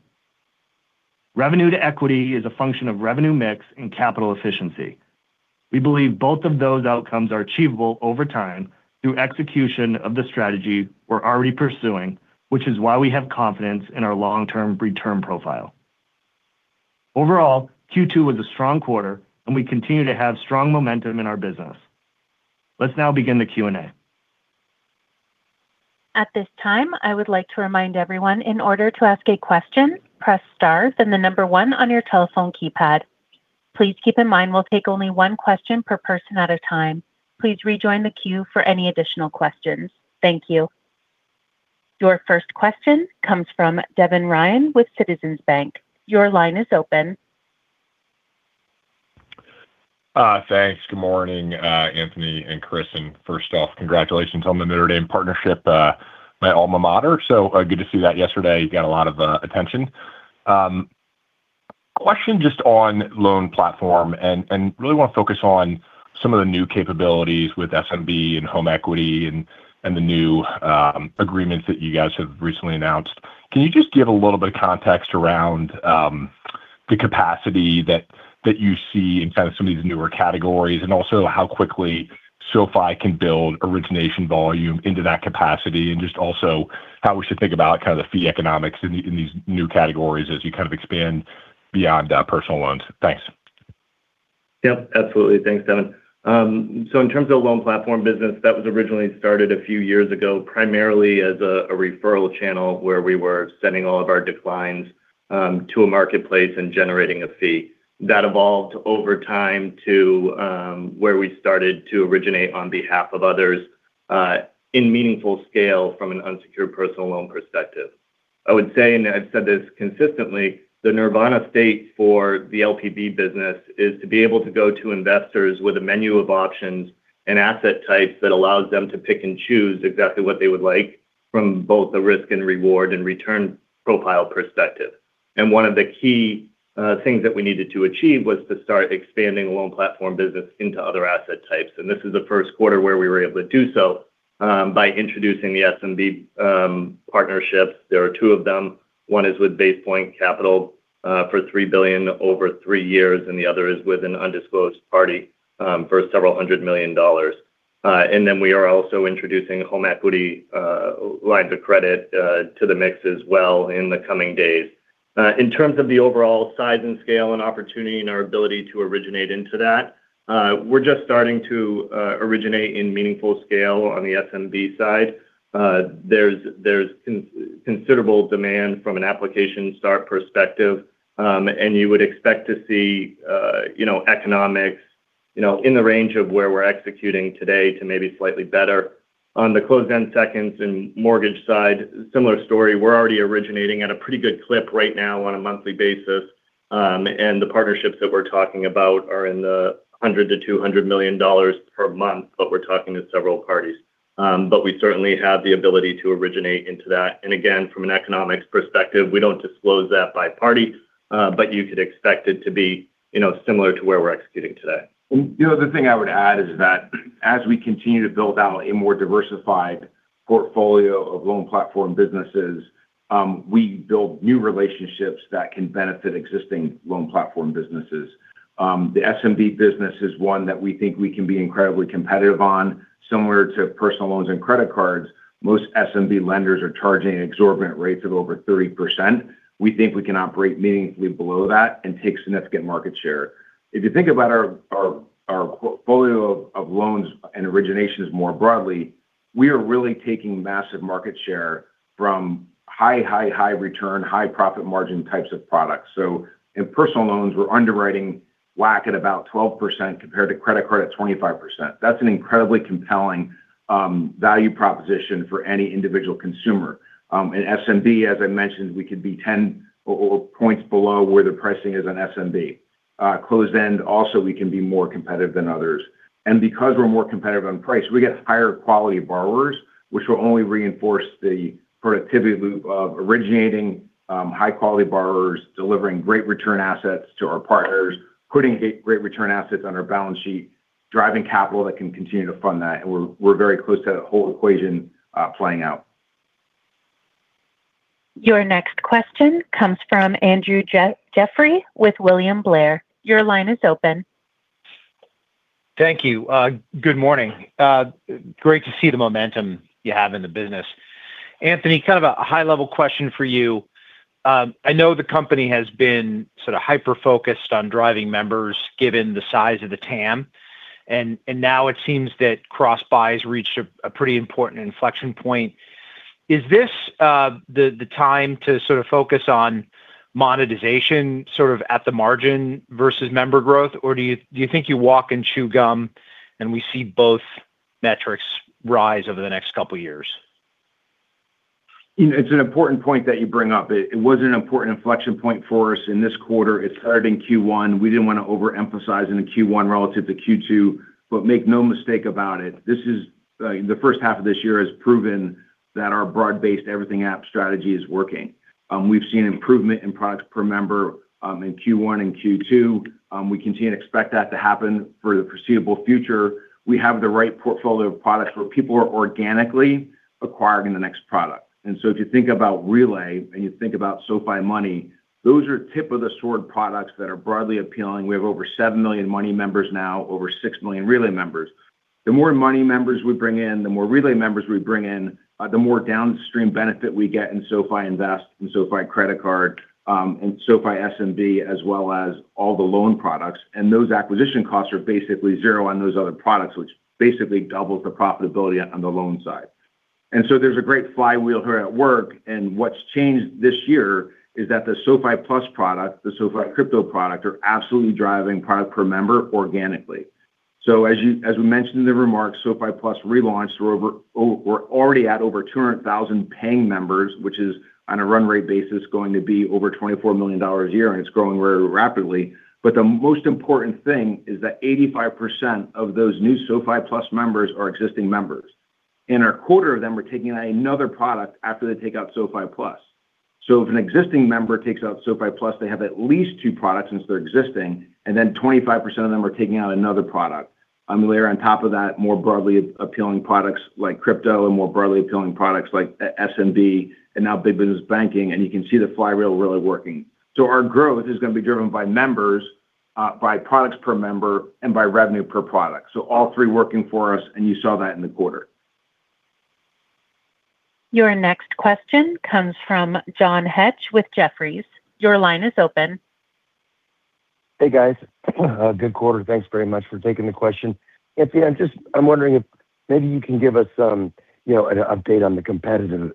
Revenue to equity is a function of revenue mix and capital efficiency. We believe both of those outcomes are achievable over time through execution of the strategy we're already pursuing, which is why we have confidence in our long-term return profile. Overall, Q2 was a strong quarter, and we continue to have strong momentum in our business. Let's now begin the Q&A. At this time, I would like to remind everyone, in order to ask a question, press star, then the number one on your telephone keypad. Please keep in mind we'll take only one question per person at a time. Please rejoin the queue for any additional questions. Thank you. Your first question comes from Devin Ryan with Citizens Bank. Your line is open. Thanks. Good morning, Anthony and Chris. First off, congratulations on the Notre Dame partnership, my alma mater. Good to see that yesterday. You got a lot of attention. Question just on loan platform, really want to focus on some of the new capabilities with SMB and home equity and the new agreements that you guys have recently announced. Can you just give a little bit of context around the capacity that you see in kind of some of these newer categories, also how quickly SoFi can build origination volume into that capacity, just also how we should think about kind of the fee economics in these new categories as you kind of expand beyond personal loans? Thanks. Yep, absolutely. Thanks, Devin. In terms of Loan Platform Business, that was originally started a few years ago primarily as a referral channel where we were sending all of our declines to a marketplace and generating a fee. That evolved over time to where we started to originate on behalf of others in meaningful scale from an unsecured personal loan perspective. I would say, and I've said this consistently, the Nirvana state for the LPB business is to be able to go to investors with a menu of options and asset types that allows them to pick and choose exactly what they would like from both a risk and reward and return profile perspective. One of the key things that we needed to achieve was to start expanding Loan Platform Business into other asset types. This is the first quarter where we were able to do so by introducing the SMB partnerships. There are two of them. One is with BasePoint Capital for $3 billion over three years, the other is with an undisclosed party for several hundred million dollars. We are also introducing Home Equity Lines of Credit to the mix as well in the coming days. In terms of the overall size and scale and opportunity and our ability to originate into that, we're just starting to originate in meaningful scale on the SMB side. There's considerable demand from an application start perspective. You would expect to see economics in the range of where we're executing today to maybe slightly better. On the closed-end seconds and mortgage side, similar story. We're already originating at a pretty good clip right now on a monthly basis. The partnerships that we're talking about are in the $100 million-$200 million per month, we're talking to several parties. We certainly have the ability to originate into that. Again, from an economics perspective, we don't disclose that by party, you could expect it to be similar to where we're executing today. The other thing I would add is that as we continue to build out a more diversified portfolio of Loan Platform Businesses, we build new relationships that can benefit existing Loan Platform Businesses. The SMB business is one that we think we can be incredibly competitive on, similar to personal loans and credit cards. Most SMB lenders are charging exorbitant rates of over 30%. We think we can operate meaningfully below that and take significant market share. If you think about our portfolio of loans and originations more broadly, we are really taking massive market share from high return, high profit margin types of products. In personal loans, we're underwriting WACC at about 12% compared to credit card at 25%. That's an incredibly compelling value proposition for any individual consumer. In SMB, as I mentioned, we could be 10 points below where the pricing is on SMB. Closed end, we can be more competitive than others. Because we're more competitive on price, we get higher quality borrowers, which will only reinforce the productivity loop of originating high-quality borrowers, delivering great return assets to our partners, putting great return assets on our balance sheet, driving capital that can continue to fund that. We're very close to that whole equation playing out. Your next question comes from Andrew Jeffrey with William Blair. Your line is open. Thank you. Good morning. Great to see the momentum you have in the business. Anthony, kind of a high-level question for you. I know the company has been sort of hyper-focused on driving members, given the size of the TAM, now it seems that cross-buys reached a pretty important inflection point. Is this the time to sort of focus on monetization sort of at the margin versus member growth, or do you think you walk and chew gum and we see both metrics rise over the next couple of years? It's an important point that you bring up. It was an important inflection point for us in this quarter. It started in Q1. We didn't want to overemphasize in the Q1 relative to Q2. Make no mistake about it, the first half of this year has proven that our broad-based everything app strategy is working. We've seen improvement in products per member in Q1 and Q2. We continue to expect that to happen for the foreseeable future. We have the right portfolio of products where people are organically acquiring the next product. If you think about Relay and you think about SoFi Money, those are tip-of-the-sword products that are broadly appealing. We have over 7 million Money members now, over 6 million Relay members. The more Money members we bring in, the more Relay members we bring in, the more downstream benefit we get in SoFi Invest and SoFi Credit Card, and SoFi SMB, as well as all the loan products. Those acquisition costs are basically zero on those other products, which basically doubles the profitability on the loan side. There's a great flywheel here at work, and what's changed this year is that the SoFi Plus product, the SoFi Crypto product, are absolutely driving product per member organically. As we mentioned in the remarks, SoFi Plus relaunched. We're already at over 200,000 paying members, which is, on a run rate basis, going to be over $24 million a year, and it's growing very rapidly. The most important thing is that 85% of those new SoFi Plus members are existing members, and a quarter of them are taking out another product after they take out SoFi Plus. If an existing member takes out SoFi Plus, they have at least two products since they're existing, and then 25% of them are taking out another product. Layer on top of that, more broadly appealing products like crypto and more broadly appealing products like SMB and now Big Business Banking, you can see the flywheel really working. Our growth is going to be driven by members, by products per member, and by revenue per product. All three working for us, and you saw that in the quarter. Your next question comes from John Hecht with Jefferies. Your line is open. Hey, guys. Good quarter. Thanks very much for taking the question. Anthony, I'm wondering if maybe you can give us an update on the competitive,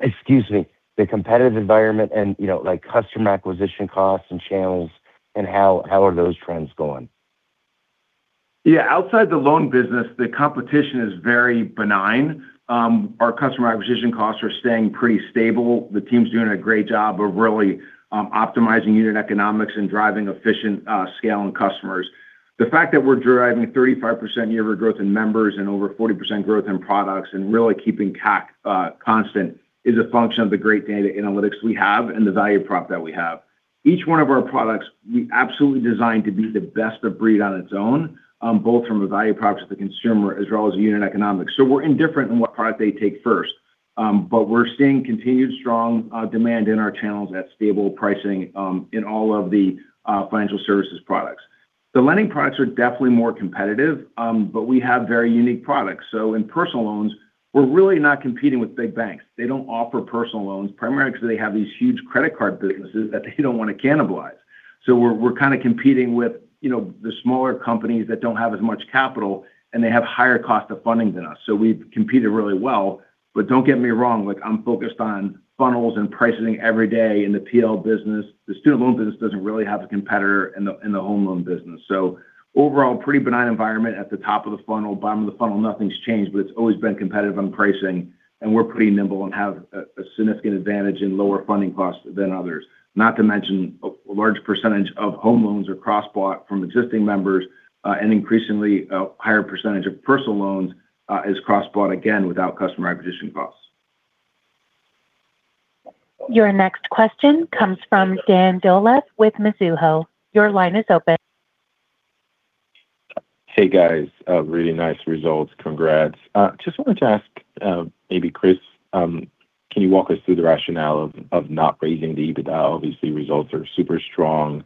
excuse me, the competitive environment and customer acquisition costs and channels, and how are those trends going? Outside the loan business, the competition is very benign. Our customer acquisition costs are staying pretty stable. The team's doing a great job of really optimizing unit economics and driving efficient scale in customers. The fact that we're driving 35% year-over-year growth in members and over 40% growth in products and really keeping CAC constant is a function of the great data analytics we have and the value prop that we have. Each one of our products we absolutely designed to be the best of breed on its own, both from a value proposition to consumer as well as unit economics. We're indifferent in what product they take first. We're seeing continued strong demand in our channels at stable pricing in all of the financial services products. The lending products are definitely more competitive, but we have very unique products. In personal loans, we're really not competing with big banks. They don't offer personal loans, primarily because they have these huge credit card businesses that they don't want to cannibalize. We're kind of competing with the smaller companies that don't have as much capital, and they have higher cost of funding than us. We've competed really well. Don't get me wrong, I'm focused on funnels and pricing every day in the PL business. The student loan business doesn't really have a competitor in the home loan business. Overall, pretty benign environment at the top of the funnel. Bottom of the funnel, nothing's changed, it's always been competitive on pricing, and we're pretty nimble and have a significant advantage in lower funding costs than others. Not to mention, a large percentage of home loans are cross-bought from existing members, and increasingly a higher percentage of personal loans is cross-bought, again, without customer acquisition costs. Your next question comes from Dan Dolev with Mizuho. Your line is open. Hey, guys. Really nice results. Congrats. Just wanted to ask, maybe Chris, can you walk us through the rationale of not raising the EBITDA? Obviously, results are super strong.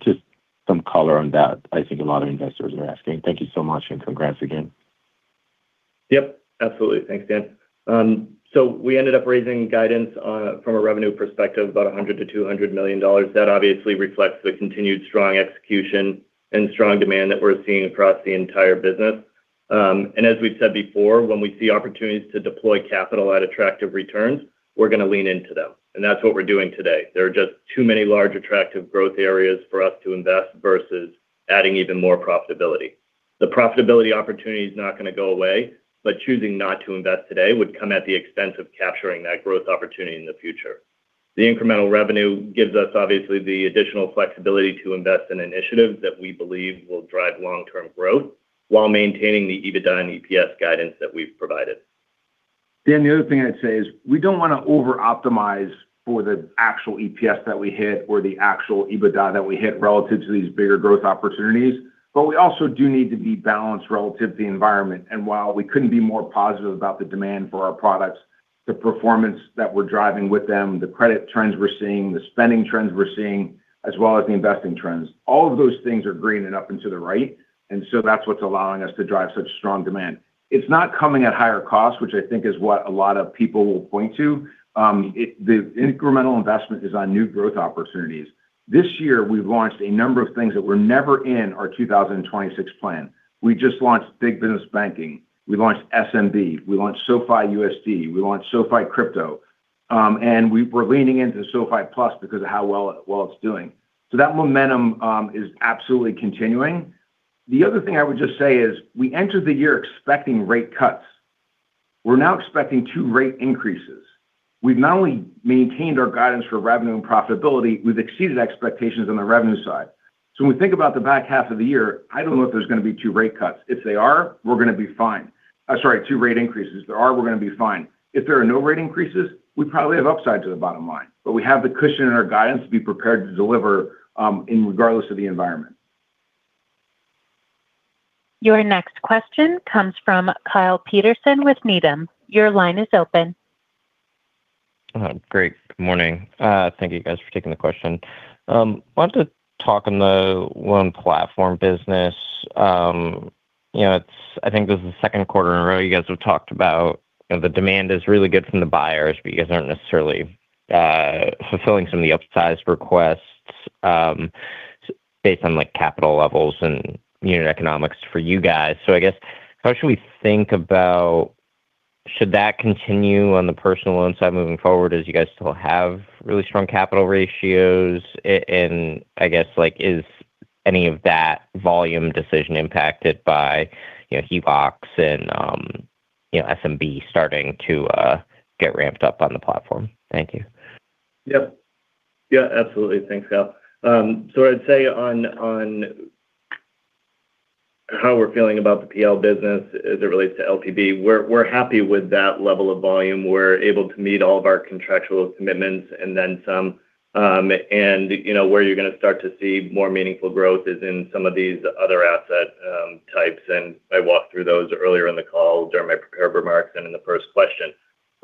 Just some color on that I think a lot of investors are asking. Thank you so much, and congrats again. Yep, absolutely. Thanks, Dan. We ended up raising guidance from a revenue perspective about $100 million-$200 million. That obviously reflects the continued strong execution and strong demand that we're seeing across the entire business. As we've said before, when we see opportunities to deploy capital at attractive returns, we're going to lean into them, and that's what we're doing today. There are just too many large attractive growth areas for us to invest versus adding even more profitability. The profitability opportunity is not going to go away, but choosing not to invest today would come at the expense of capturing that growth opportunity in the future. The incremental revenue gives us, obviously, the additional flexibility to invest in initiatives that we believe will drive long-term growth while maintaining the EBITDA and EPS guidance that we've provided. Dan, the other thing I'd say is we don't want to over-optimize for the actual EPS that we hit or the actual EBITDA that we hit relative to these bigger growth opportunities. We also do need to be balanced relative to the environment. While we couldn't be more positive about the demand for our products, the performance that we're driving with them, the credit trends we're seeing, the spending trends we're seeing, as well as the investing trends, all of those things are green and up and to the right, that's what's allowing us to drive such strong demand. It's not coming at higher costs, which I think is what a lot of people will point to. The incremental investment is on new growth opportunities. This year, we've launched a number of things that were never in our 2026 plan. We just launched Big Business Banking. We launched SMB. We launched SoFiUSD. We launched SoFi Crypto. We're leaning into SoFi Plus because of how well it's doing. That momentum is absolutely continuing. The other thing I would just say is we entered the year expecting rate cuts. We're now expecting two rate increases. We've not only maintained our guidance for revenue and profitability, we've exceeded expectations on the revenue side. When we think about the back half of the year, I don't know if there's going to be two rate cuts. If they are, we're going to be fine. Sorry, two rate increases. If there are, we're going to be fine. If there are no rate increases, we probably have upside to the bottom line, but we have the cushion in our guidance to be prepared to deliver regardless of the environment. Your next question comes from Kyle Peterson with Needham. Your line is open. Great. Good morning. Thank you guys for taking the question. Wanted to talk on the Loan Platform Business. I think this is the second quarter in a row you guys have talked about the demand is really good from the buyers, but you guys aren't necessarily fulfilling some of the upsized requests based on capital levels and unit economics for you guys. I guess how should we think about should that continue on the personal loan side moving forward, as you guys still have really strong capital ratios? I guess, is any of that volume decision impacted by HELOCs and SMB starting to get ramped up on the platform? Thank you. Yeah. Absolutely. Thanks, Kyle. I'd say on how we're feeling about the PL business as it relates to LPB, we're happy with that level of volume. We're able to meet all of our contractual commitments and then some. Where you're going to start to see more meaningful growth is in some of these other asset types, and I walked through those earlier in the call during my prepared remarks and in the first question.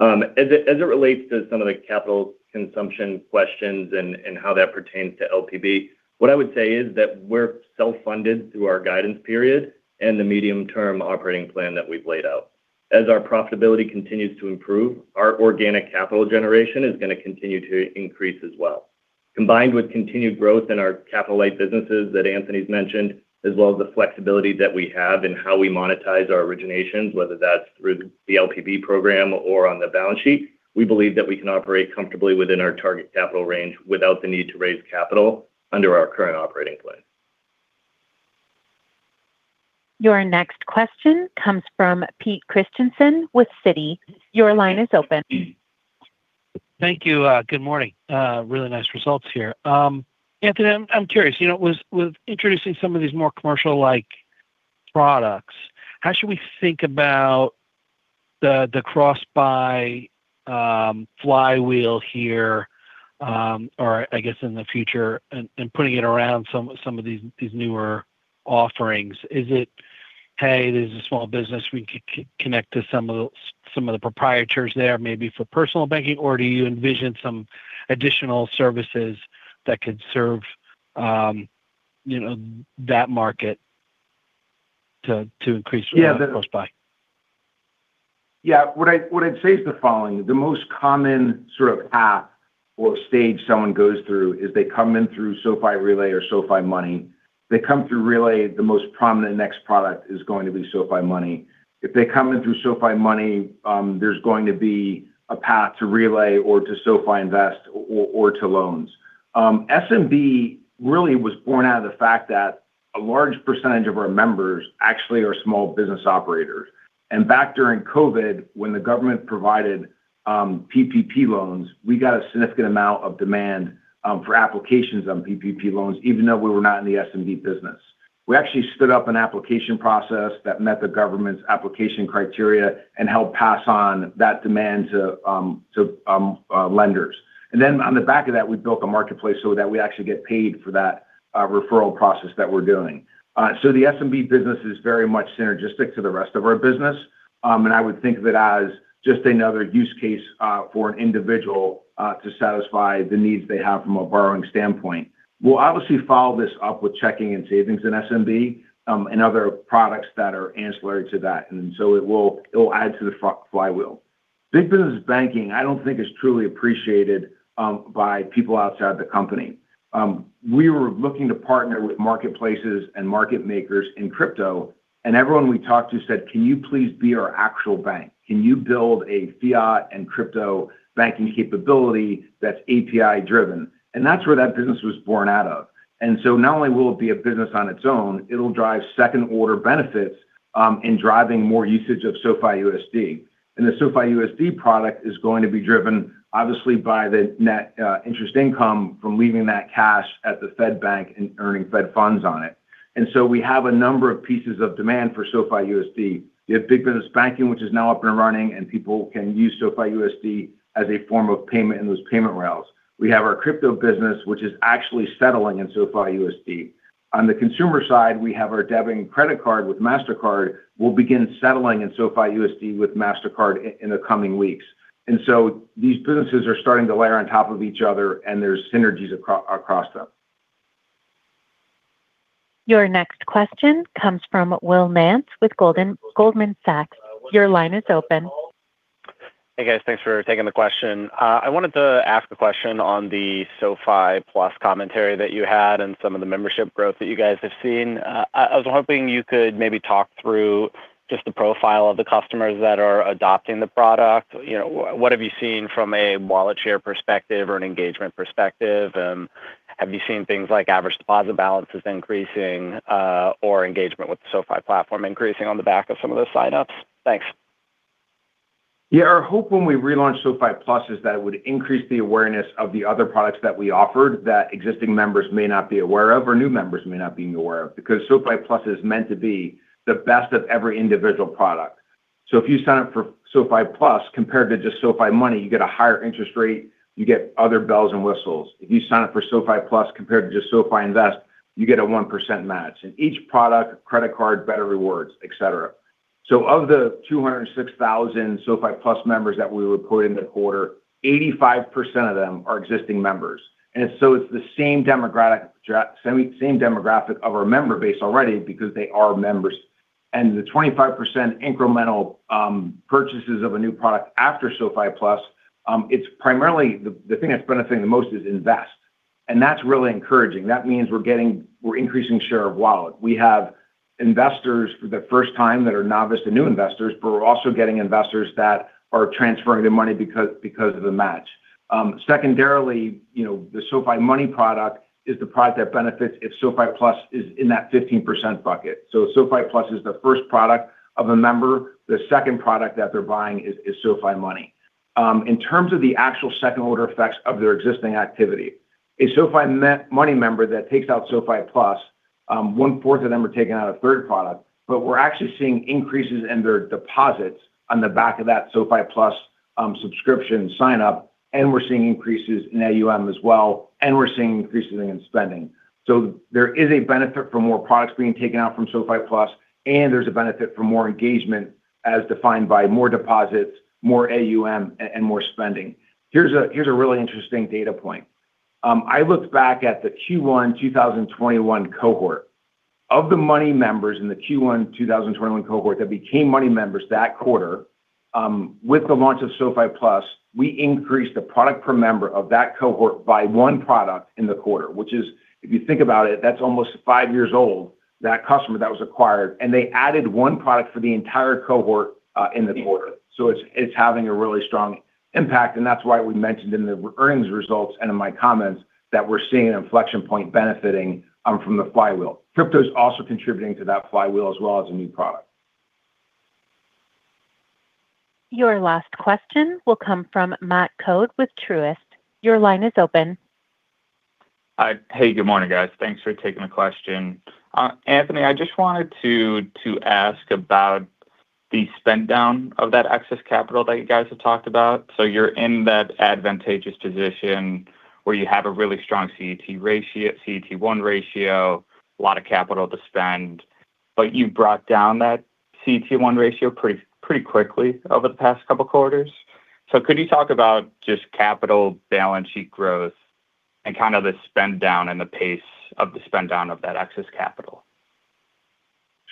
As it relates to some of the capital consumption questions and how that pertains to LPB, what I would say is that we're self-funded through our guidance period and the medium-term operating plan that we've laid out. As our profitability continues to improve, our organic capital generation is going to continue to increase as well. Combined with continued growth in our capital-light businesses that Anthony's mentioned, as well as the flexibility that we have in how we monetize our originations, whether that's through the LPB program or on the balance sheet, we believe that we can operate comfortably within our target capital range without the need to raise capital under our current operating plan. Your next question comes from Pete Christiansen with Citi. Your line is open. Thank you. Good morning. Really nice results here. Anthony, I'm curious. With introducing some of these more commercial-like products, how should we think about the cross-buy flywheel here, or I guess in the future, and putting it around some of these newer offerings? Is it, "Hey, this is a small business. We can connect to some of the proprietors there," maybe for personal banking? Or do you envision some additional services that could serve that market to increase cross-buy? Yeah. What I'd say is the following. The most common sort of path or stage someone goes through is they come in through SoFi Relay or SoFi Money. If they come through Relay, the most prominent next product is going to be SoFi Money. If they come in through SoFi Money, there's going to be a path to Relay or to SoFi Invest or to Loans. SMB really was born out of the fact that a large percentage of our members actually are small business operators. Back during COVID, when the government provided PPP loans, we got a significant amount of demand for applications on PPP loans, even though we were not in the SMB business. We actually stood up an application process that met the government's application criteria and helped pass on that demand to lenders. Then on the back of that, we built a marketplace so that we actually get paid for that referral process that we're doing. The SMB business is very much synergistic to the rest of our business. I would think of it as just another use case for an individual to satisfy the needs they have from a borrowing standpoint. We'll obviously follow this up with checking and savings in SMB, and other products that are ancillary to that. It will add to the flywheel. Big Business Banking I don't think is truly appreciated by people outside the company. We were looking to partner with marketplaces and market makers in crypto, and everyone we talked to said, "Can you please be our actual bank? Can you build a fiat and crypto banking capability that's API-driven?" That's where that business was born out of. Not only will it be a business on its own, it'll drive second-order benefits in driving more usage of SoFiUSD. The SoFiUSD product is going to be driven, obviously, by the net interest income from leaving that cash at the Fed Bank and earning Fed funds on it. We have a number of pieces of demand for SoFiUSD. We have Big Business Banking, which is now up and running, and people can use SoFiUSD as a form of payment in those payment rails. We have our crypto business, which is actually settling in SoFiUSD. On the consumer side, we have our debit and credit card with Mastercard. We'll begin settling in SoFiUSD with Mastercard in the coming weeks. These businesses are starting to layer on top of each other, and there's synergies across them. Your next question comes from Will Nance with Goldman Sachs. Your line is open. Hey, guys. Thanks for taking the question. I wanted to ask a question on the SoFi Plus commentary that you had and some of the membership growth that you guys have seen. I was hoping you could maybe talk through just the profile of the customers that are adopting the product. What have you seen from a wallet share perspective or an engagement perspective, and have you seen things like average deposit balances increasing, or engagement with the SoFi platform increasing on the back of some of those sign-ups? Thanks. Yeah. Our hope when we relaunched SoFi Plus is that it would increase the awareness of the other products that we offered that existing members may not be aware of, or new members may not be aware of, because SoFi Plus is meant to be the best of every individual product. If you sign up for SoFi Plus compared to just SoFi Money, you get a higher interest rate, you get other bells and whistles. If you sign up for SoFi Plus compared to just SoFi Invest, you get a 1% match. In each product, credit card, better rewards, et cetera. Of the 206,000 SoFi Plus members that we reported in the quarter, 85% of them are existing members. It's the same demographic of our member base already because they are members. The 25% incremental purchases of a new product after SoFi Plus, primarily the thing that's benefiting the most is Invest, and that's really encouraging. That means we're increasing share of wallet. We have investors for the first time that are novice to new investors, but we're also getting investors that are transferring their money because of the match. Secondarily, the SoFi Money product is the product that benefits if SoFi Plus is in that 15% bucket. If SoFi Plus is the first product of a member, the second product that they're buying is SoFi Money. In terms of the actual second-order effects of their existing activity, a SoFi Money member that takes out SoFi Plus, 1/4 of them are taking out a third product, but we're actually seeing increases in their deposits on the back of that SoFi Plus subscription sign-up, and we're seeing increases in AUM as well, and we're seeing increases in spending. There is a benefit for more products being taken out from SoFi Plus, and there's a benefit for more engagement as defined by more deposits, more AUM, and more spending. Here's a really interesting data point. I looked back at the Q1 2021 cohort. Of the SoFi Money members in the Q1 2021 cohort that became SoFi Money members that quarter, with the launch of SoFi Plus, we increased the product per member of that cohort by one product in the quarter, which is, if you think about it, that's almost five years old, that customer that was acquired, and they added one product for the entire cohort in the quarter. It's having a really strong impact, and that's why we mentioned in the earnings results and in my comments that we're seeing an inflection point benefiting from the flywheel. Crypto's also contributing to that flywheel as well as a new product. Your last question will come from Matt Coad with Truist. Your line is open. Hey. Good morning, guys. Thanks for taking the question. Anthony, I just wanted to ask about the spend down of that excess capital that you guys have talked about. You're in that advantageous position where you have a really strong CET1 ratio, a lot of capital to spend, but you've brought down that CET1 ratio pretty quickly over the past couple quarters. Could you talk about just capital balance sheet growth and kind of the spend down and the pace of the spend down of that excess capital?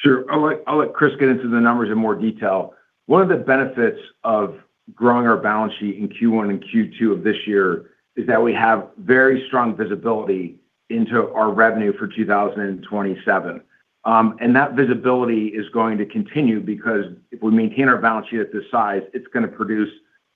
Sure. I'll let Chris get into the numbers in more detail. One of the benefits of growing our balance sheet in Q1 and Q2 of this year is that we have very strong visibility into our revenue for 2027. That visibility is going to continue because if we maintain our balance sheet at this size, it's going to produce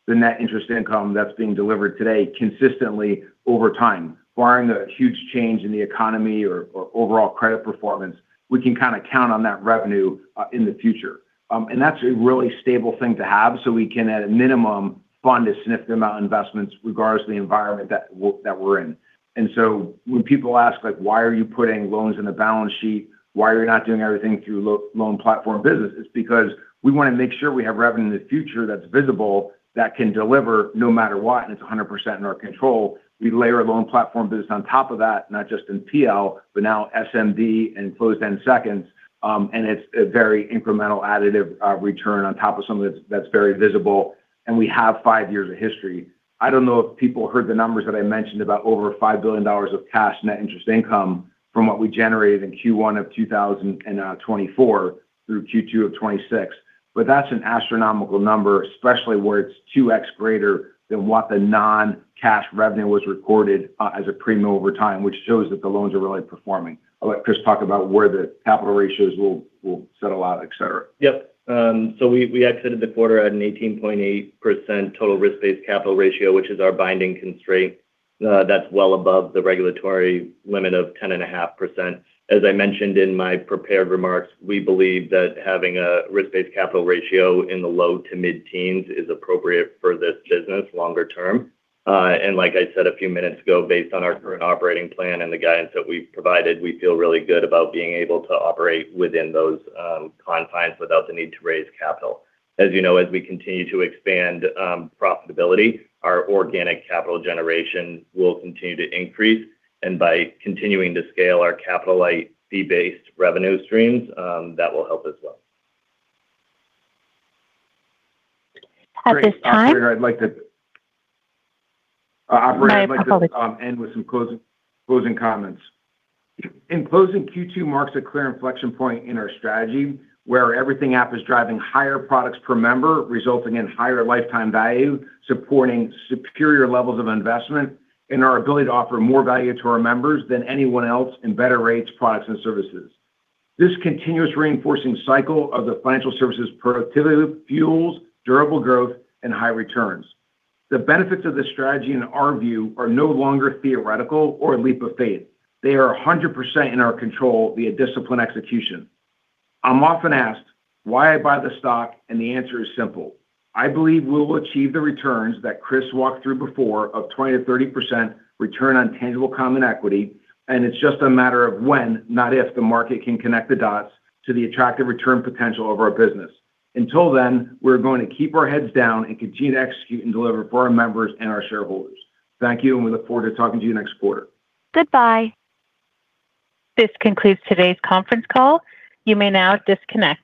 the net interest income that's being delivered today consistently over time. Barring a huge change in the economy or overall credit performance, we can kind of count on that revenue in the future. That's a really stable thing to have so we can, at a minimum, fund a significant amount of investments regardless of the environment that we're in. When people ask, "Why are you putting loans on the balance sheet, why are you not doing everything through Loan Platform Business?" It's because we want to make sure we have revenue in the future that's visible, that can deliver no matter what, and it's 100% in our control. We layer a Loan Platform Business on top of that, not just in PL, but now SMB and closed-end seconds. It's a very incremental additive return on top of something that's very visible, and we have five years of history. I don't know if people heard the numbers that I mentioned about over $5 billion of cash net interest income from what we generated in Q1 of 2024 through Q2 of 2026. That's an astronomical number, especially where it's 2x greater than what the non-cash revenue was recorded as a premium over time, which shows that the loans are really performing. I'll let Chris talk about where the capital ratios will settle out, et cetera. Yep. We exited the quarter at an 18.8% total risk-based capital ratio, which is our binding constraint. That's well above the regulatory limit of 10.5%. As I mentioned in my prepared remarks, we believe that having a risk-based capital ratio in the low to mid-teens is appropriate for this business longer term. Like I said a few minutes ago, based on our current operating plan and the guidance that we've provided, we feel really good about being able to operate within those confines without the need to raise capital. As you know, as we continue to expand profitability, our organic capital generation will continue to increase, and by continuing to scale our capital-light fee-based revenue streams, that will help as well. At this time. Great. Operator, I'd like to My apologies. Operator, I'd like to just end with some closing comments. In closing, Q2 marks a clear inflection point in our strategy where our Everything App is driving higher products per member, resulting in higher lifetime value, supporting superior levels of investment in our ability to offer more value to our members than anyone else in better rates, products, and services. This continuous reinforcing cycle of the financial services productivity fuels durable growth and high returns. The benefits of this strategy, in our view, are no longer theoretical or a leap of faith. They are 100% in our control via disciplined execution. I'm often asked why I buy the stock. The answer is simple: I believe we will achieve the returns that Chris walked through before of 20%-30% return on tangible common equity. It's just a matter of when, not if, the market can connect the dots to the attractive return potential of our business. Until then, we're going to keep our heads down and continue to execute and deliver for our members and our shareholders. Thank you. We look forward to talking to you next quarter. This concludes today's conference call. You may now disconnect.